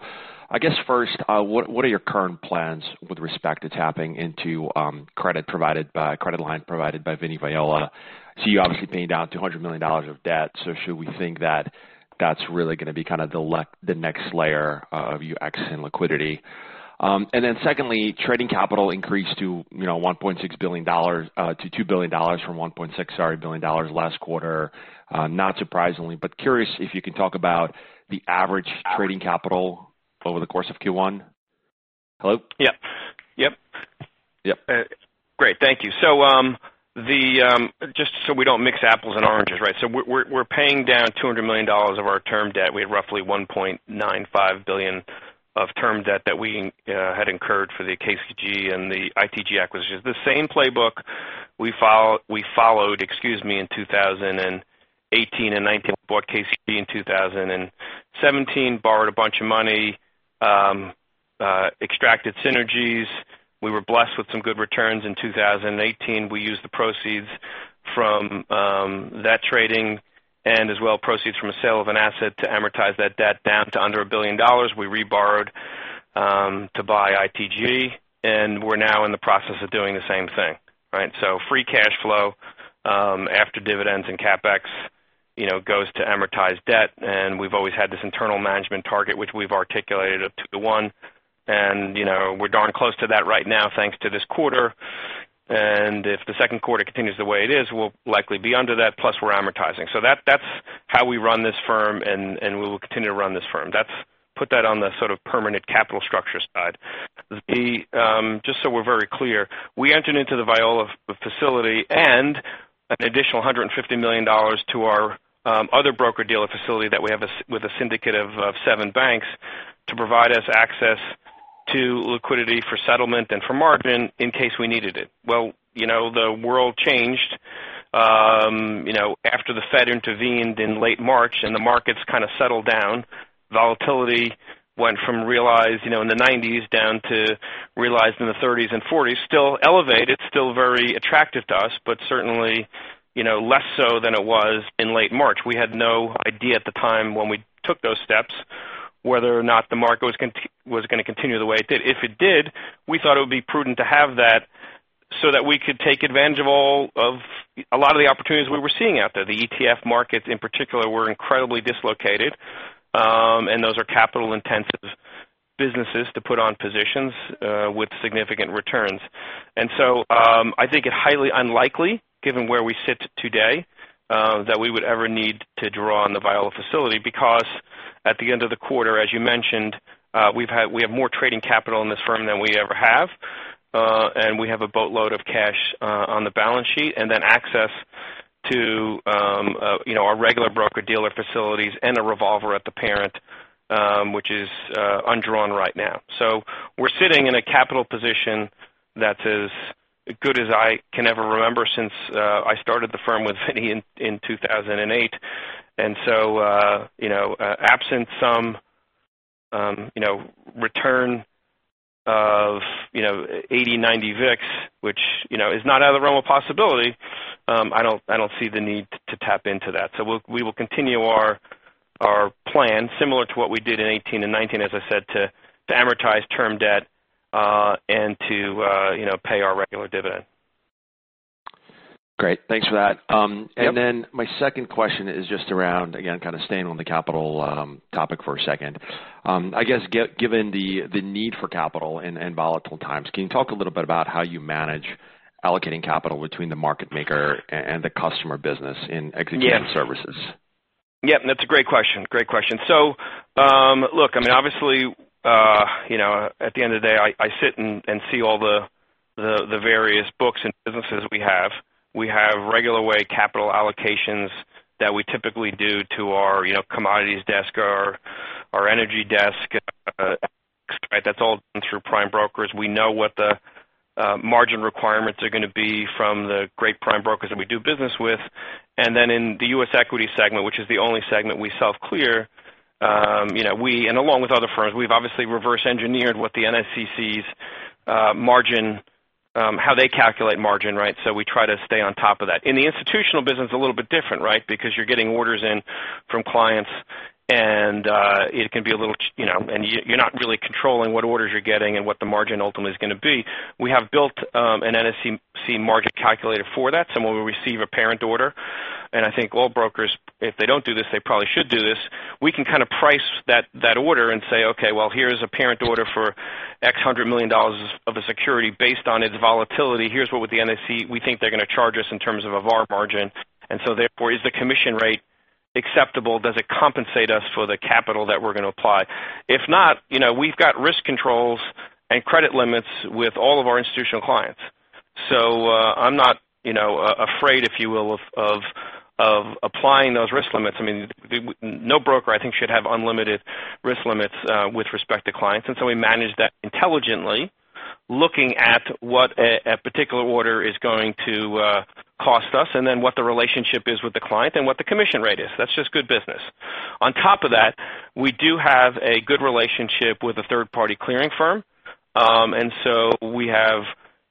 I guess first, what are your current plans with respect to tapping into credit line provided by Vinnie Viola? So you obviously paid down $200 million of debt. So should we think that that's really going to be kind of the next layer of your exit and liquidity? And then secondly, trading capital increased to $1.6 billion-$2 billion from $1.6 billion last quarter, not surprisingly. But curious if you can talk about the average trading capital over the course of Q1. Hello? Yep. Yep. Yep. Great. Thank you. So just so we don't mix apples and oranges, right? So we're paying down $200 million of our term debt. We had roughly $1.95 billion of term debt that we had incurred for the KCG and the ITG acquisitions. The same playbook we followed, excuse me, in 2018 and 2019. Bought KCG in 2017, borrowed a bunch of money, extracted synergies. We were blessed with some good returns in 2018. We used the proceeds from that trading and as well proceeds from a sale of an asset to amortize that debt down to under a billion dollars. We reborrowed to buy ITG. And we're now in the process of doing the same thing, right? So free cash flow after dividends and CapEx goes to amortized debt. And we've always had this internal management target, which we've articulated up to the one. And we're darn close to that right now thanks to this quarter. If the second quarter continues the way it is, we'll likely be under that, plus we're amortizing. That's how we run this firm, and we will continue to run this firm. Put that on the sort of permanent capital structure side. Just so we're very clear, we entered into the Viola facility and an additional $150 million to our other broker-dealer facility that we have with a syndicate of seven banks to provide us access to liquidity for settlement and for margin in case we needed it. The world changed after the Fed intervened in late March, and the markets kind of settled down. Volatility went from realized in the 90s down to realized in the 30s and 40s, still elevated, still very attractive to us, but certainly less so than it was in late March. We had no idea at the time when we took those steps whether or not the market was going to continue the way it did. If it did, we thought it would be prudent to have that so that we could take advantage of a lot of the opportunities we were seeing out there. The ETF markets in particular were incredibly dislocated. Those are capital-intensive businesses to put on positions with significant returns. So I think it's highly unlikely, given where we sit today, that we would ever need to draw on the Viola facility because at the end of the quarter, as you mentioned, we have more trading capital in this firm than we ever have. We have a boatload of cash on the balance sheet and then access to our regular broker-dealer facilities and a revolver at the parent, which is undrawn right now. So we're sitting in a capital position that's as good as I can ever remember since I started the firm with Vinnie in 2008. And so absent some return of 80-90 VIX, which is not out of the realm of possibility, I don't see the need to tap into that. So we will continue our plan similar to what we did in 2018 and 2019, as I said, to amortize term debt and to pay our regular dividend. Great. Thanks for that. And then my second question is just around, again, kind of staying on the capital topic for a second. I guess given the need for capital in volatile times, can you talk a little bit about how you manage allocating capital between the market maker and the customer business in Execution Services? Yep. Yep. That's a great question. Great question. So look, I mean, obviously, at the end of the day, I sit and see all the various books and businesses we have. We have regular way capital allocations that we typically do to our commodities desk, our energy desk, right? That's all through prime brokers. We know what the margin requirements are going to be from the great prime brokers that we do business with. And then in the U.S. equity segment, which is the only segment we self-clear, we, along with other firms, we've obviously reverse engineered what the NSCC's margin, how they calculate margin, right? So we try to stay on top of that. In the institutional business, a little bit different, right? Because you're getting orders in from clients, and it can be a little and you're not really controlling what orders you're getting and what the margin ultimately is going to be. We have built an NSCC margin calculator for that. So when we receive a parent order, and I think all brokers, if they don't do this, they probably should do this, we can kind of price that order and say, "Okay. Well, here's a parent order for X hundred million of dollars of a security based on its volatility. Here's what the NSCC we think they're going to charge us in terms of our margin." And so therefore, is the commission rate acceptable? Does it compensate us for the capital that we're going to apply? If not, we've got risk controls and credit limits with all of our institutional clients. So I'm not afraid, if you will, of applying those risk limits. I mean, no broker, I think, should have unlimited risk limits with respect to clients. And so we manage that intelligently, looking at what a particular order is going to cost us and then what the relationship is with the client and what the commission rate is. That's just good business. On top of that, we do have a good relationship with a third-party clearing firm and so we have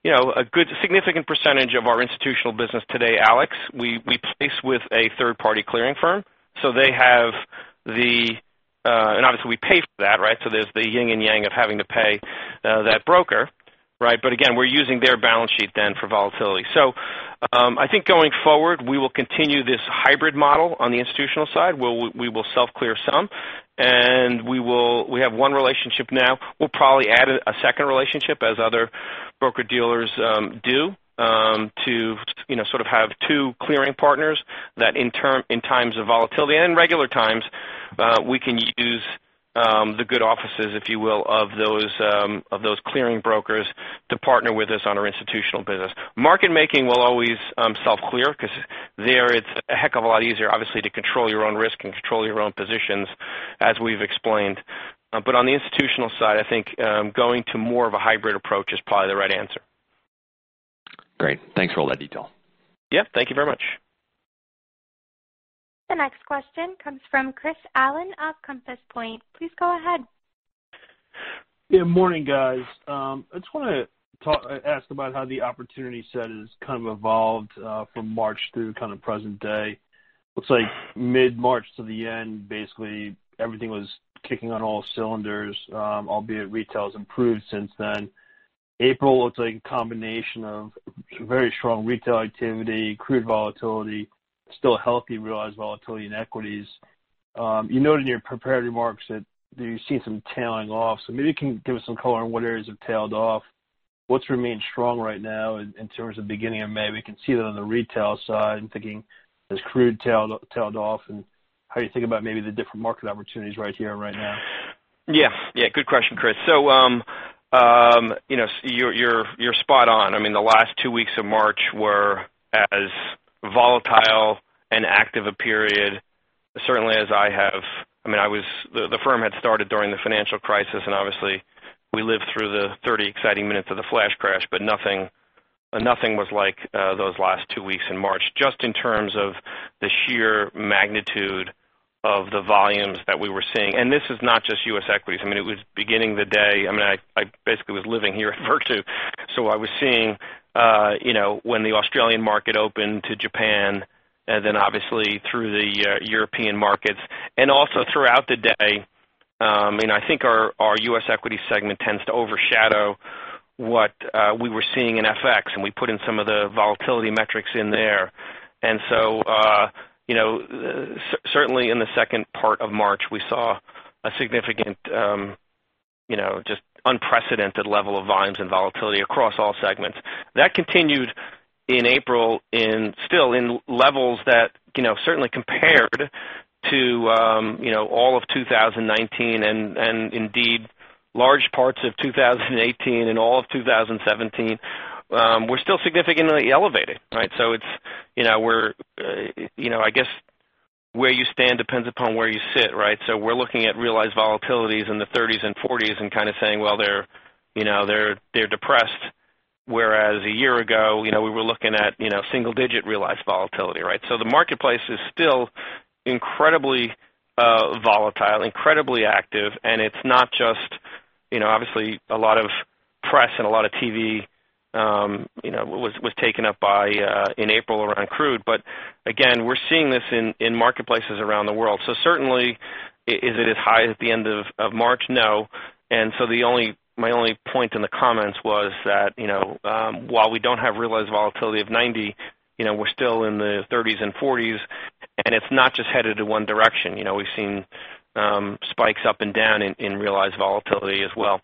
a good significant percentage of our institutional business today, Alex. We place with a third-party clearing firm, so they have the and obviously, we pay for that, right, so there's the yin and yang of having to pay that broker, right, but again, we're using their balance sheet then for volatility, so I think going forward, we will continue this hybrid model on the institutional side where we will self-clear some, and we have one relationship now. We'll probably add a second relationship, as other broker-dealers do, to sort of have two clearing partners that, in times of volatility and in regular times, we can use the good offices, if you will, of those clearing brokers to partner with us on our institutional business will always self-clear because there, it's a heck of a lot easier, obviously, to control your own risk and control your own positions, as we've explained. But on the institutional side, I think going to more of a hybrid approach is probably the right answer. Great. Thanks for all that detail. Yep. Thank you very much. The next question comes from Chris Allen of Compass Point. Please go ahead. Good morning, guys. I just want to ask about how the opportunity set has kind of evolved from March through kind of present day. Looks like mid-March to the end, basically, everything was kicking on all cylinders, albeit retail has improved since then. April looks like a combination of very strong retail activity, crude volatility, still healthy realized volatility in equities. You noted in your prepared remarks that you've seen some tailing off. So maybe you can give us some color on what areas have tailed off. What's remained strong right now in terms of beginning of May? We can see that on the retail side. I'm thinking as crude tailed off and how you think about maybe the different market opportunities right here and right now. Yeah. Yeah. Good question, Chris. So you're spot on. I mean, the last two weeks of March were as volatile and active a period, certainly as I have I mean, the firm had started during the financial crisis. And obviously, we lived through the 30 exciting minutes of the Flash Crash, but nothing was like those last two weeks in March, just in terms of the sheer magnitude of the volumes that we were seeing. And this is not just U.S. equities. I mean, it was beginning the day I mean, I basically was living here at Virtu. So I was seeing when the Australian market opened to Japan and then obviously through the European markets and also throughout the day. I mean, I think our U.S. equity segment tends to overshadow what we were seeing in FX. And we put in some of the volatility metrics in there. And so certainly in the second part of March, we saw a significant, just unprecedented level of volumes and volatility across all segments. That continued in April, still in levels that certainly compared to all of 2019 and indeed large parts of 2018 and all of 2017. We're still significantly elevated, right? So it's where I guess where you stand depends upon where you sit, right? So we're looking at realized volatilities in the 30s and 40s and kind of saying, "Well, they're depressed," whereas a year ago, we were looking at single-digit realized volatility, right? So the marketplace is still incredibly volatile, incredibly active. And it's not just obviously a lot of press and a lot of TV was taken up by in April around crude. But again, we're seeing this in marketplaces around the world. So certainly, is it as high as the end of March? No. And so my only point in the comments was that while we don't have realized volatility of 90, we're still in the 30s and 40s. And it's not just headed to one direction. We've seen spikes up and down in realized volatility as well.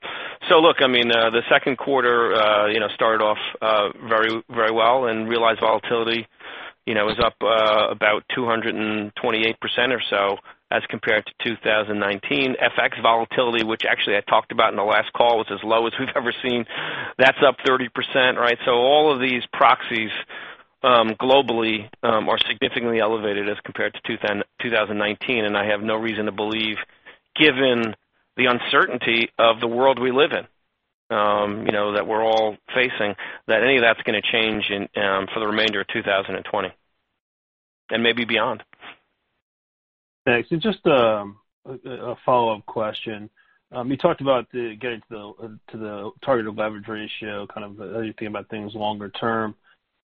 So look, I mean, the second quarter started off very well. And realized volatility was up about 228% or so as compared to 2019. FX volatility, which actually I talked about in the last call, was as low as we've ever seen. That's up 30%, right? So all of these proxies globally are significantly elevated as compared to 2019. And I have no reason to believe, given the uncertainty of the world we live in, that we're all facing, that any of that's going to change for the remainder of 2020 and maybe beyond. Thanks. And just a follow-up question. You talked about getting to the target of leverage ratio, kind of how you're thinking about things longer term.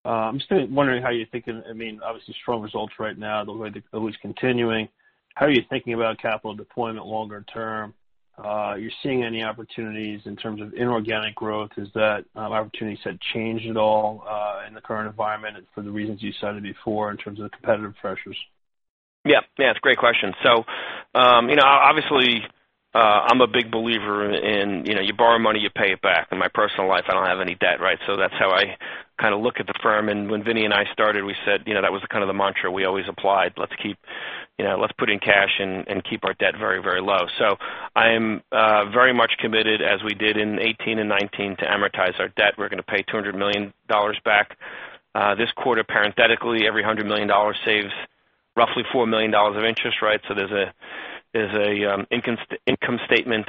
I'm just wondering how you're thinking. I mean, obviously, strong results right now, the way that it was continuing. How are you thinking about capital deployment longer term? You're seeing any opportunities in terms of inorganic growth? Has that opportunity set changed at all in the current environment for the reasons you cited before in terms of competitive pressures? Yeah. Yeah. That's a great question. So obviously, I'm a big believer in you borrow money, you pay it back. In my personal life, I don't have any debt, right? So that's how I kind of look at the firm. And when Vinnie and I started, we said that was kind of the mantra we always applied. Let's put in cash and keep our debt very, very low. So I'm very much committed, as we did in 2018 and 2019, to amortize our debt. We're going to pay $200 million back this quarter. Parenthetically, every $100 million saves roughly $4 million of interest, right? So there's an income statement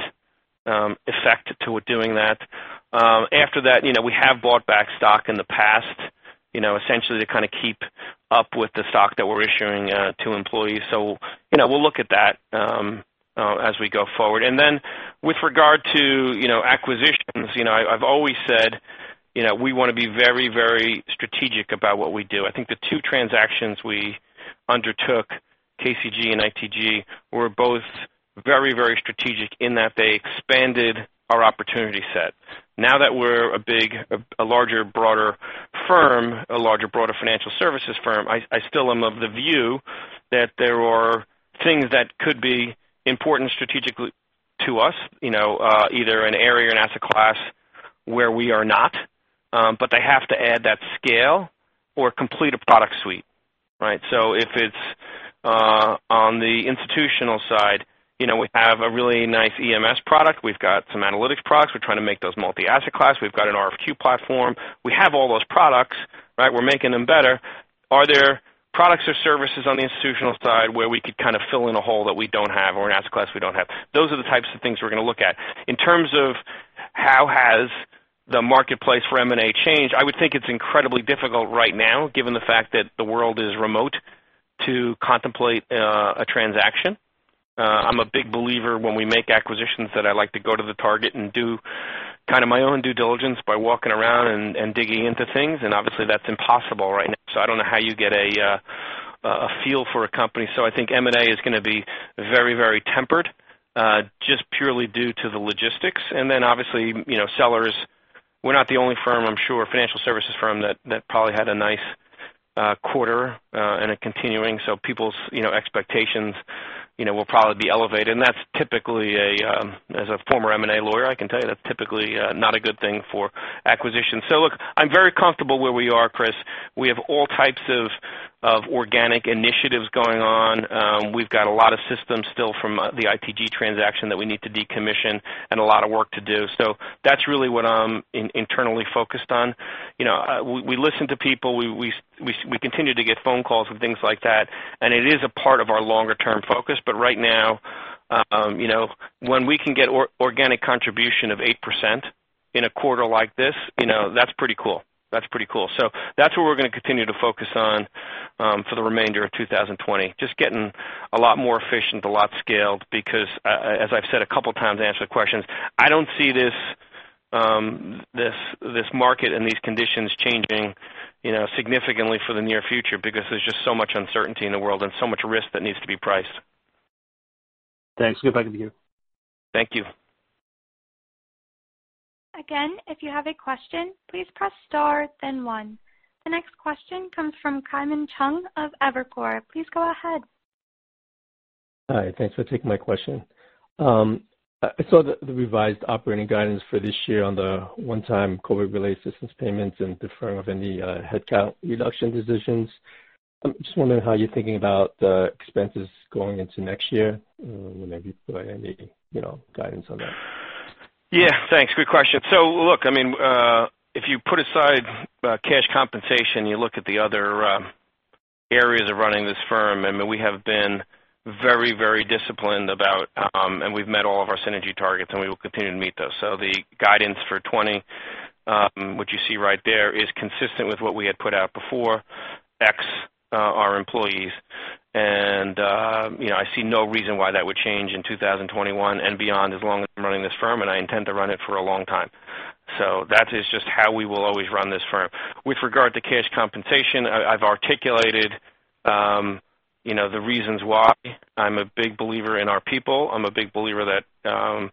effect to doing that. After that, we have bought back stock in the past, essentially to kind of keep up with the stock that we're issuing to employees. So we'll look at that as we go forward. And then with regard to acquisitions, I've always said we want to be very, very strategic about what we do. I think the two transactions we undertook, KCG and ITG, were both very, very strategic in that they expanded our opportunity set. Now that we're a bigger, broader firm, a larger, broader financial services firm, I still am of the view that there are things that could be important strategically to us, either an area or an asset class where we are not. But they have to add that scale or complete a product suite, right? So if it's on the institutional side, we have a really nice EMS product. We've got some analytics products. We're trying to make those multi-asset class. We've got an RFQ platform. We have all those products, right? We're making them better. Are there products or services on the institutional side where we could kind of fill in a hole that we don't have or an asset class we don't have? Those are the types of things we're going to look at. In terms of how has the marketplace for M&A changed, I would think it's incredibly difficult right now, given the fact that the world is remote, to contemplate a transaction. I'm a big believer when we make acquisitions that I like to go to the target and do kind of my own due diligence by walking around and digging into things. And obviously, that's impossible right now. So I don't know how you get a feel for a company. So I think M&A is going to be very, very tempered just purely due to the logistics. And then obviously, sellers, we're not the only firm, I'm sure, financial services firm that probably had a nice quarter and a continuing. So people's expectations will probably be elevated. And that's typically, as a former M&A lawyer, I can tell you that's typically not a good thing for acquisitions. So look, I'm very comfortable where we are, Chris. We have all types of organic initiatives going on. We've got a lot of systems still from the ITG transaction that we need to decommission and a lot of work to do. So that's really what I'm internally focused on. We listen to people. We continue to get phone calls and things like that. And it is a part of our longer-term focus. But right now, when we can get organic contribution of 8% in a quarter like this, that's pretty cool. That's pretty cool. So that's what we're going to continue to focus on for the remainder of 2020, just getting a lot more efficient, a lot scaled because, as I've said a couple of times to answer the questions, I don't see this market and these conditions changing significantly for the near future because there's just so much uncertainty in the world and so much risk that needs to be priced. Thanks. Good luck with you. Thank you. Again, if you have a question, please press star, then one. The next question comes from Kaimon Chung of Evercore. Please go ahead. Hi. Thanks for taking my question. I saw the revised operating guidance for this year on the one-time COVID-related assistance payments and deferring of any headcount reduction decisions. I'm just wondering how you're thinking about the expenses going into next year whenever you provide any guidance on that. Yeah. Thanks. Good question. So look, I mean, if you put aside cash compensation, you look at the other areas of running this firm, I mean, we have been very, very disciplined about and we've met all of our synergy targets, and we will continue to meet those. So the guidance for 2020, what you see right there, is consistent with what we had put out before. Ex our employees. And I see no reason why that would change in 2021 and beyond as long as I'm running this firm, and I intend to run it for a long time. So that is just how we will always run this firm. With regard to cash compensation, I've articulated the reasons why. I'm a big believer in our people. I'm a big believer that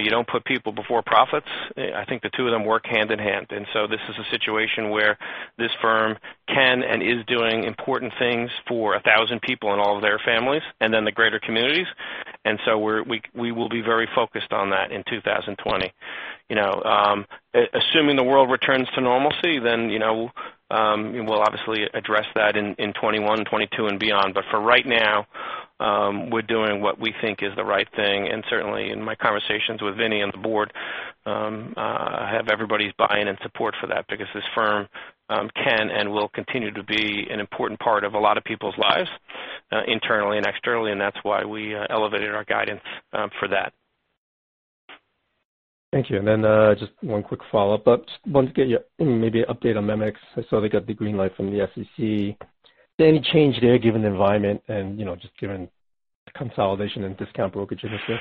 you don't put people before profits. I think the two of them work hand in hand. And so this is a situation where this firm can and is doing important things for 1,000 people and all of their families and then the greater communities. And so we will be very focused on that in 2020. Assuming the world returns to normalcy, then we'll obviously address that in 2021, 2022, and beyond. But for right now, we're doing what we think is the right thing. And certainly, in my conversations with Vinnie and the board, I have everybody's buy-in and support for that because this firm can and will continue to be an important part of a lot of people's lives internally and externally. And that's why we elevated our guidance for that. Thank you. And then just one quick follow-up. Just wanted to get maybe an update on MEMX. I saw they got the green light from the SEC. Is there any change there given the environment and just given the consolidation and discount brokerage industry?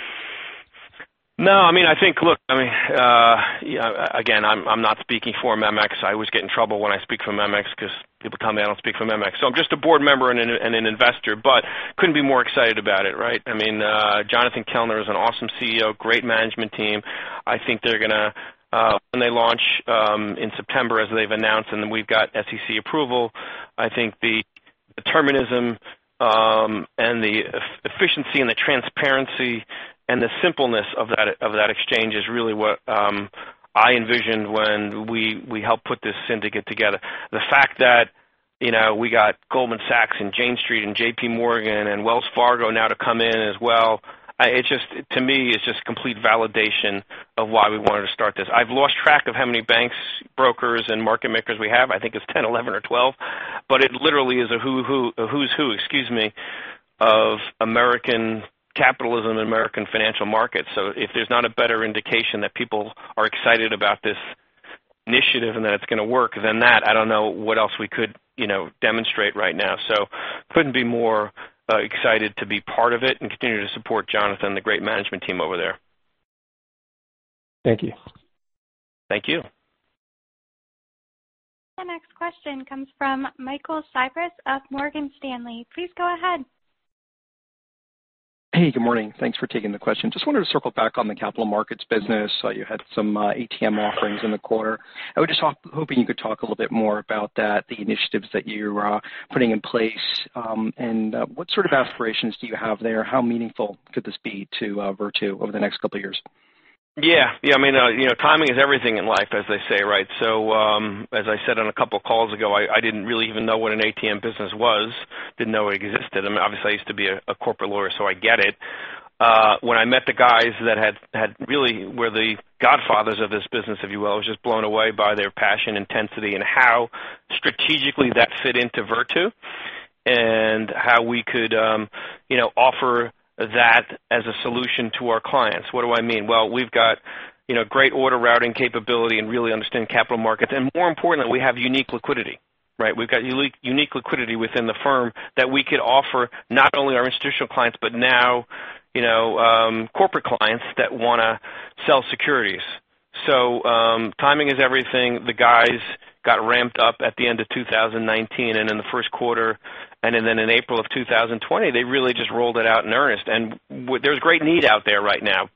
No. I mean, I think, look, I mean, again, I'm not speaking for MEMX. I always get in trouble when I speak for MEMX because people tell me I don't speak for MEMX. So I'm just a board member and an investor, but couldn't be more excited about it, right? I mean, Jonathan Kellner is an awesome CEO, great management team. I think they're going to, when they launch in September, as they've announced, and then we've got SEC approval, I think the determinism and the efficiency and the transparency and the simpleness of that exchange is really what I envisioned when we helped put this syndicate together. The fact that we got Goldman Sachs and Jane Street and JPMorgan and Wells Fargo now to come in as well, to me, is just complete validation of why we wanted to start this. I've lost track of how many banks, brokers, and market makers we have. I think it's 10, 11, or 12. But it literally is a who's who, excuse me, of American capitalism and American financial markets. So if there's not a better indication that people are excited about this initiative and that it's going to work, then that, I don't know what else we could demonstrate right now. So couldn't be more excited to be part of it and continue to support Jonathan, the great management team over there. Thank you. Thank you. The next question comes from Michael Cyprys of Morgan Stanley. Please go ahead. Hey, good morning. Thanks for taking the question. Just wanted to circle back on the capital markets business. You had some ATM offerings in the quarter. I was just hoping you could talk a little bit more about that, the initiatives that you're putting in place, and what sort of aspirations do you have there? How meaningful could this be to Virtu over the next couple of years? Yeah. Yeah. I mean, timing is everything in life, as they say, right, so as I said on a couple of calls ago, I didn't really even know what an ATM business was, didn't know it existed. I mean, obviously, I used to be a corporate lawyer, so I get it. When I met the guys who really were the godfathers of this business, if you will, I was just blown away by their passion, intensity, and how strategically that fit into Virtu and how we could offer that as a solution to our clients. What do I mean? Well, we've got great order routing capability and really understand capital markets, and more importantly, we have unique liquidity, right? We've got unique liquidity within the firm that we could offer not only our institutional clients, but now corporate clients that want to sell securities, so timing is everything. The guys got ramped up at the end of 2019 and in the first quarter, and then in April of 2020, they really just rolled it out in earnest, and there's great need out there right now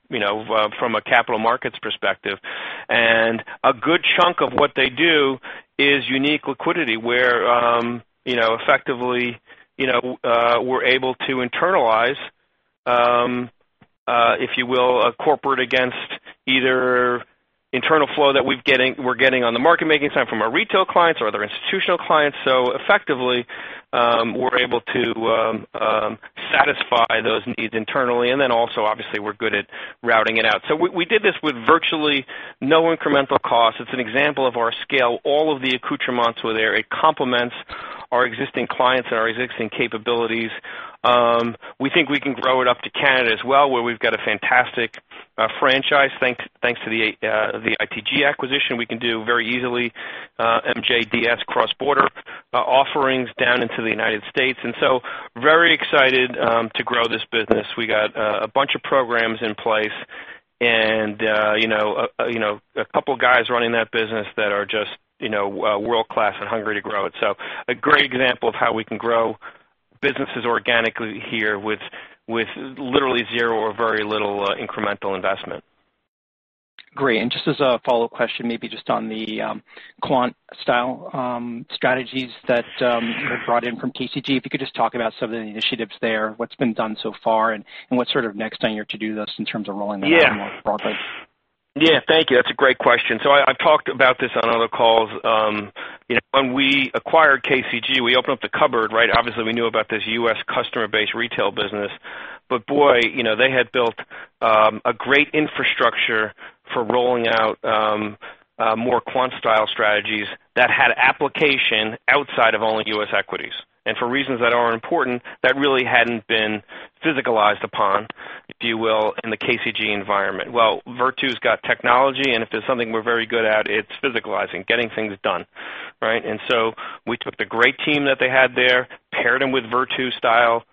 from a capital markets perspective. And a good chunk of what they do is unique liquidity where effectively we're able to internalize, if you will, a corporate against either internal flow that we're getting on the Market Making side from our retail clients or other institutional clients. So effectively, we're able to satisfy those needs internally. And then also, obviously, we're good at routing it out. So we did this with virtually no incremental cost. It's an example of our scale. All of the accoutrements were there. It complements our existing clients and our existing capabilities. We think we can grow it up to Canada as well, where we've got a fantastic franchise. Thanks to the ITG acquisition, we can do very easily MJDS cross-border offerings down into the United States. And so very excited to grow this business. We got a bunch of programs in place and a couple of guys running that business that are just world-class and hungry to grow it. So a great example of how we can grow businesses organically here with literally zero or very little incremental investment. Great. And just as a follow-up question, maybe just on the quant-style strategies that were brought in from KCG, if you could just talk about some of the initiatives there, what's been done so far, and what's sort of next on your to-do list in terms of rolling that out more broadly. Yeah. Thank you. That's a great question. So I've talked about this on other calls. When we acquired KCG, we opened up the cupboard, right? Obviously, we knew about this U.S. customer-based retail business. But boy, they had built a great infrastructure for rolling out more quant-style strategies that had application outside of only U.S. equities. And for reasons that aren't important, that really hadn't been physicalized upon, if you will, in the KCG environment. Well, Virtu has got technology. And if there's something we're very good at, it's physicalizing, getting things done, right? And so we took the great team that they had there, paired them with Virtu-style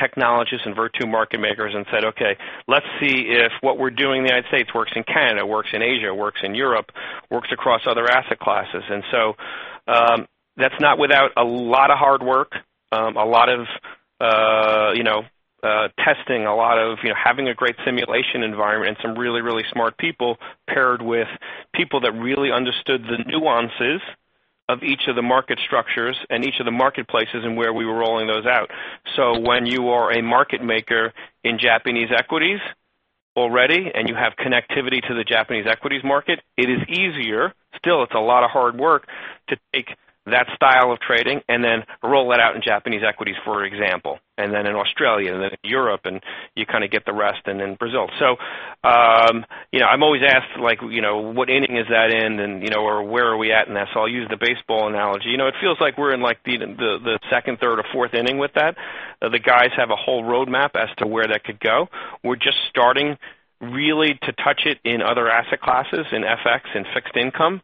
technologists and Virtu market makers, and said, "Okay. Let's see if what we're doing in the United States works in Canada, works in Asia, works in Europe, works across other asset classes," and so that's not without a lot of hard work, a lot of testing, a lot of having a great simulation environment, and some really, really smart people paired with people that really understood the nuances of each of the market structures and each of the marketplaces and where we were rolling those out. So when you are a market maker in Japanese equities already and you have connectivity to the Japanese equities market, it is easier. Still, it's a lot of hard work to take that style of trading and then roll that out in Japanese equities, for example, and then in Australia and then in Europe, and you kind of get the rest and then Brazil. So I'm always asked, "What inning is that in?" or, "Where are we at?" And so I'll use the baseball analogy. It feels like we're in the second, third, or fourth inning with that. The guys have a whole roadmap as to where that could go. We're just starting really to touch it in other asset classes, in FX and fixed income,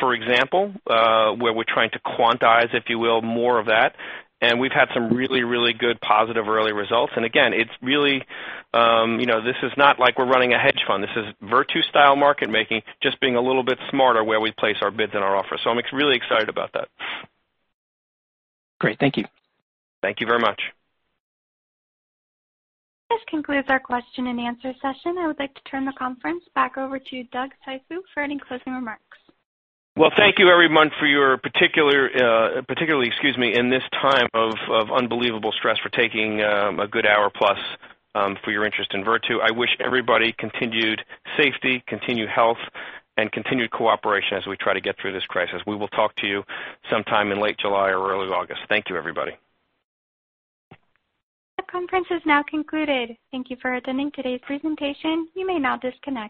for example, where we're trying to quantize, if you will, more of that. And we've had some really, really good positive early results. And again, it's really this is not like we're running a hedge fund. This is Virtu-style market, just being a little bit smarter where we place our bids and our offers. So I'm really excited about that. Great. Thank you. Thank you very much. This concludes our question and answer session. I would like to turn the conference back over to Doug Cifu for any closing remarks. Thank you, everyone, for your participation, excuse me, in this time of unbelievable stress for taking a good hour-plus for your interest in Virtu. I wish everybody continued safety, continued health, and continued cooperation as we try to get through this crisis. We will talk to you sometime in late July or early August. Thank you, everybody. The conference is now concluded. Thank you for attending today's presentation. You may now disconnect.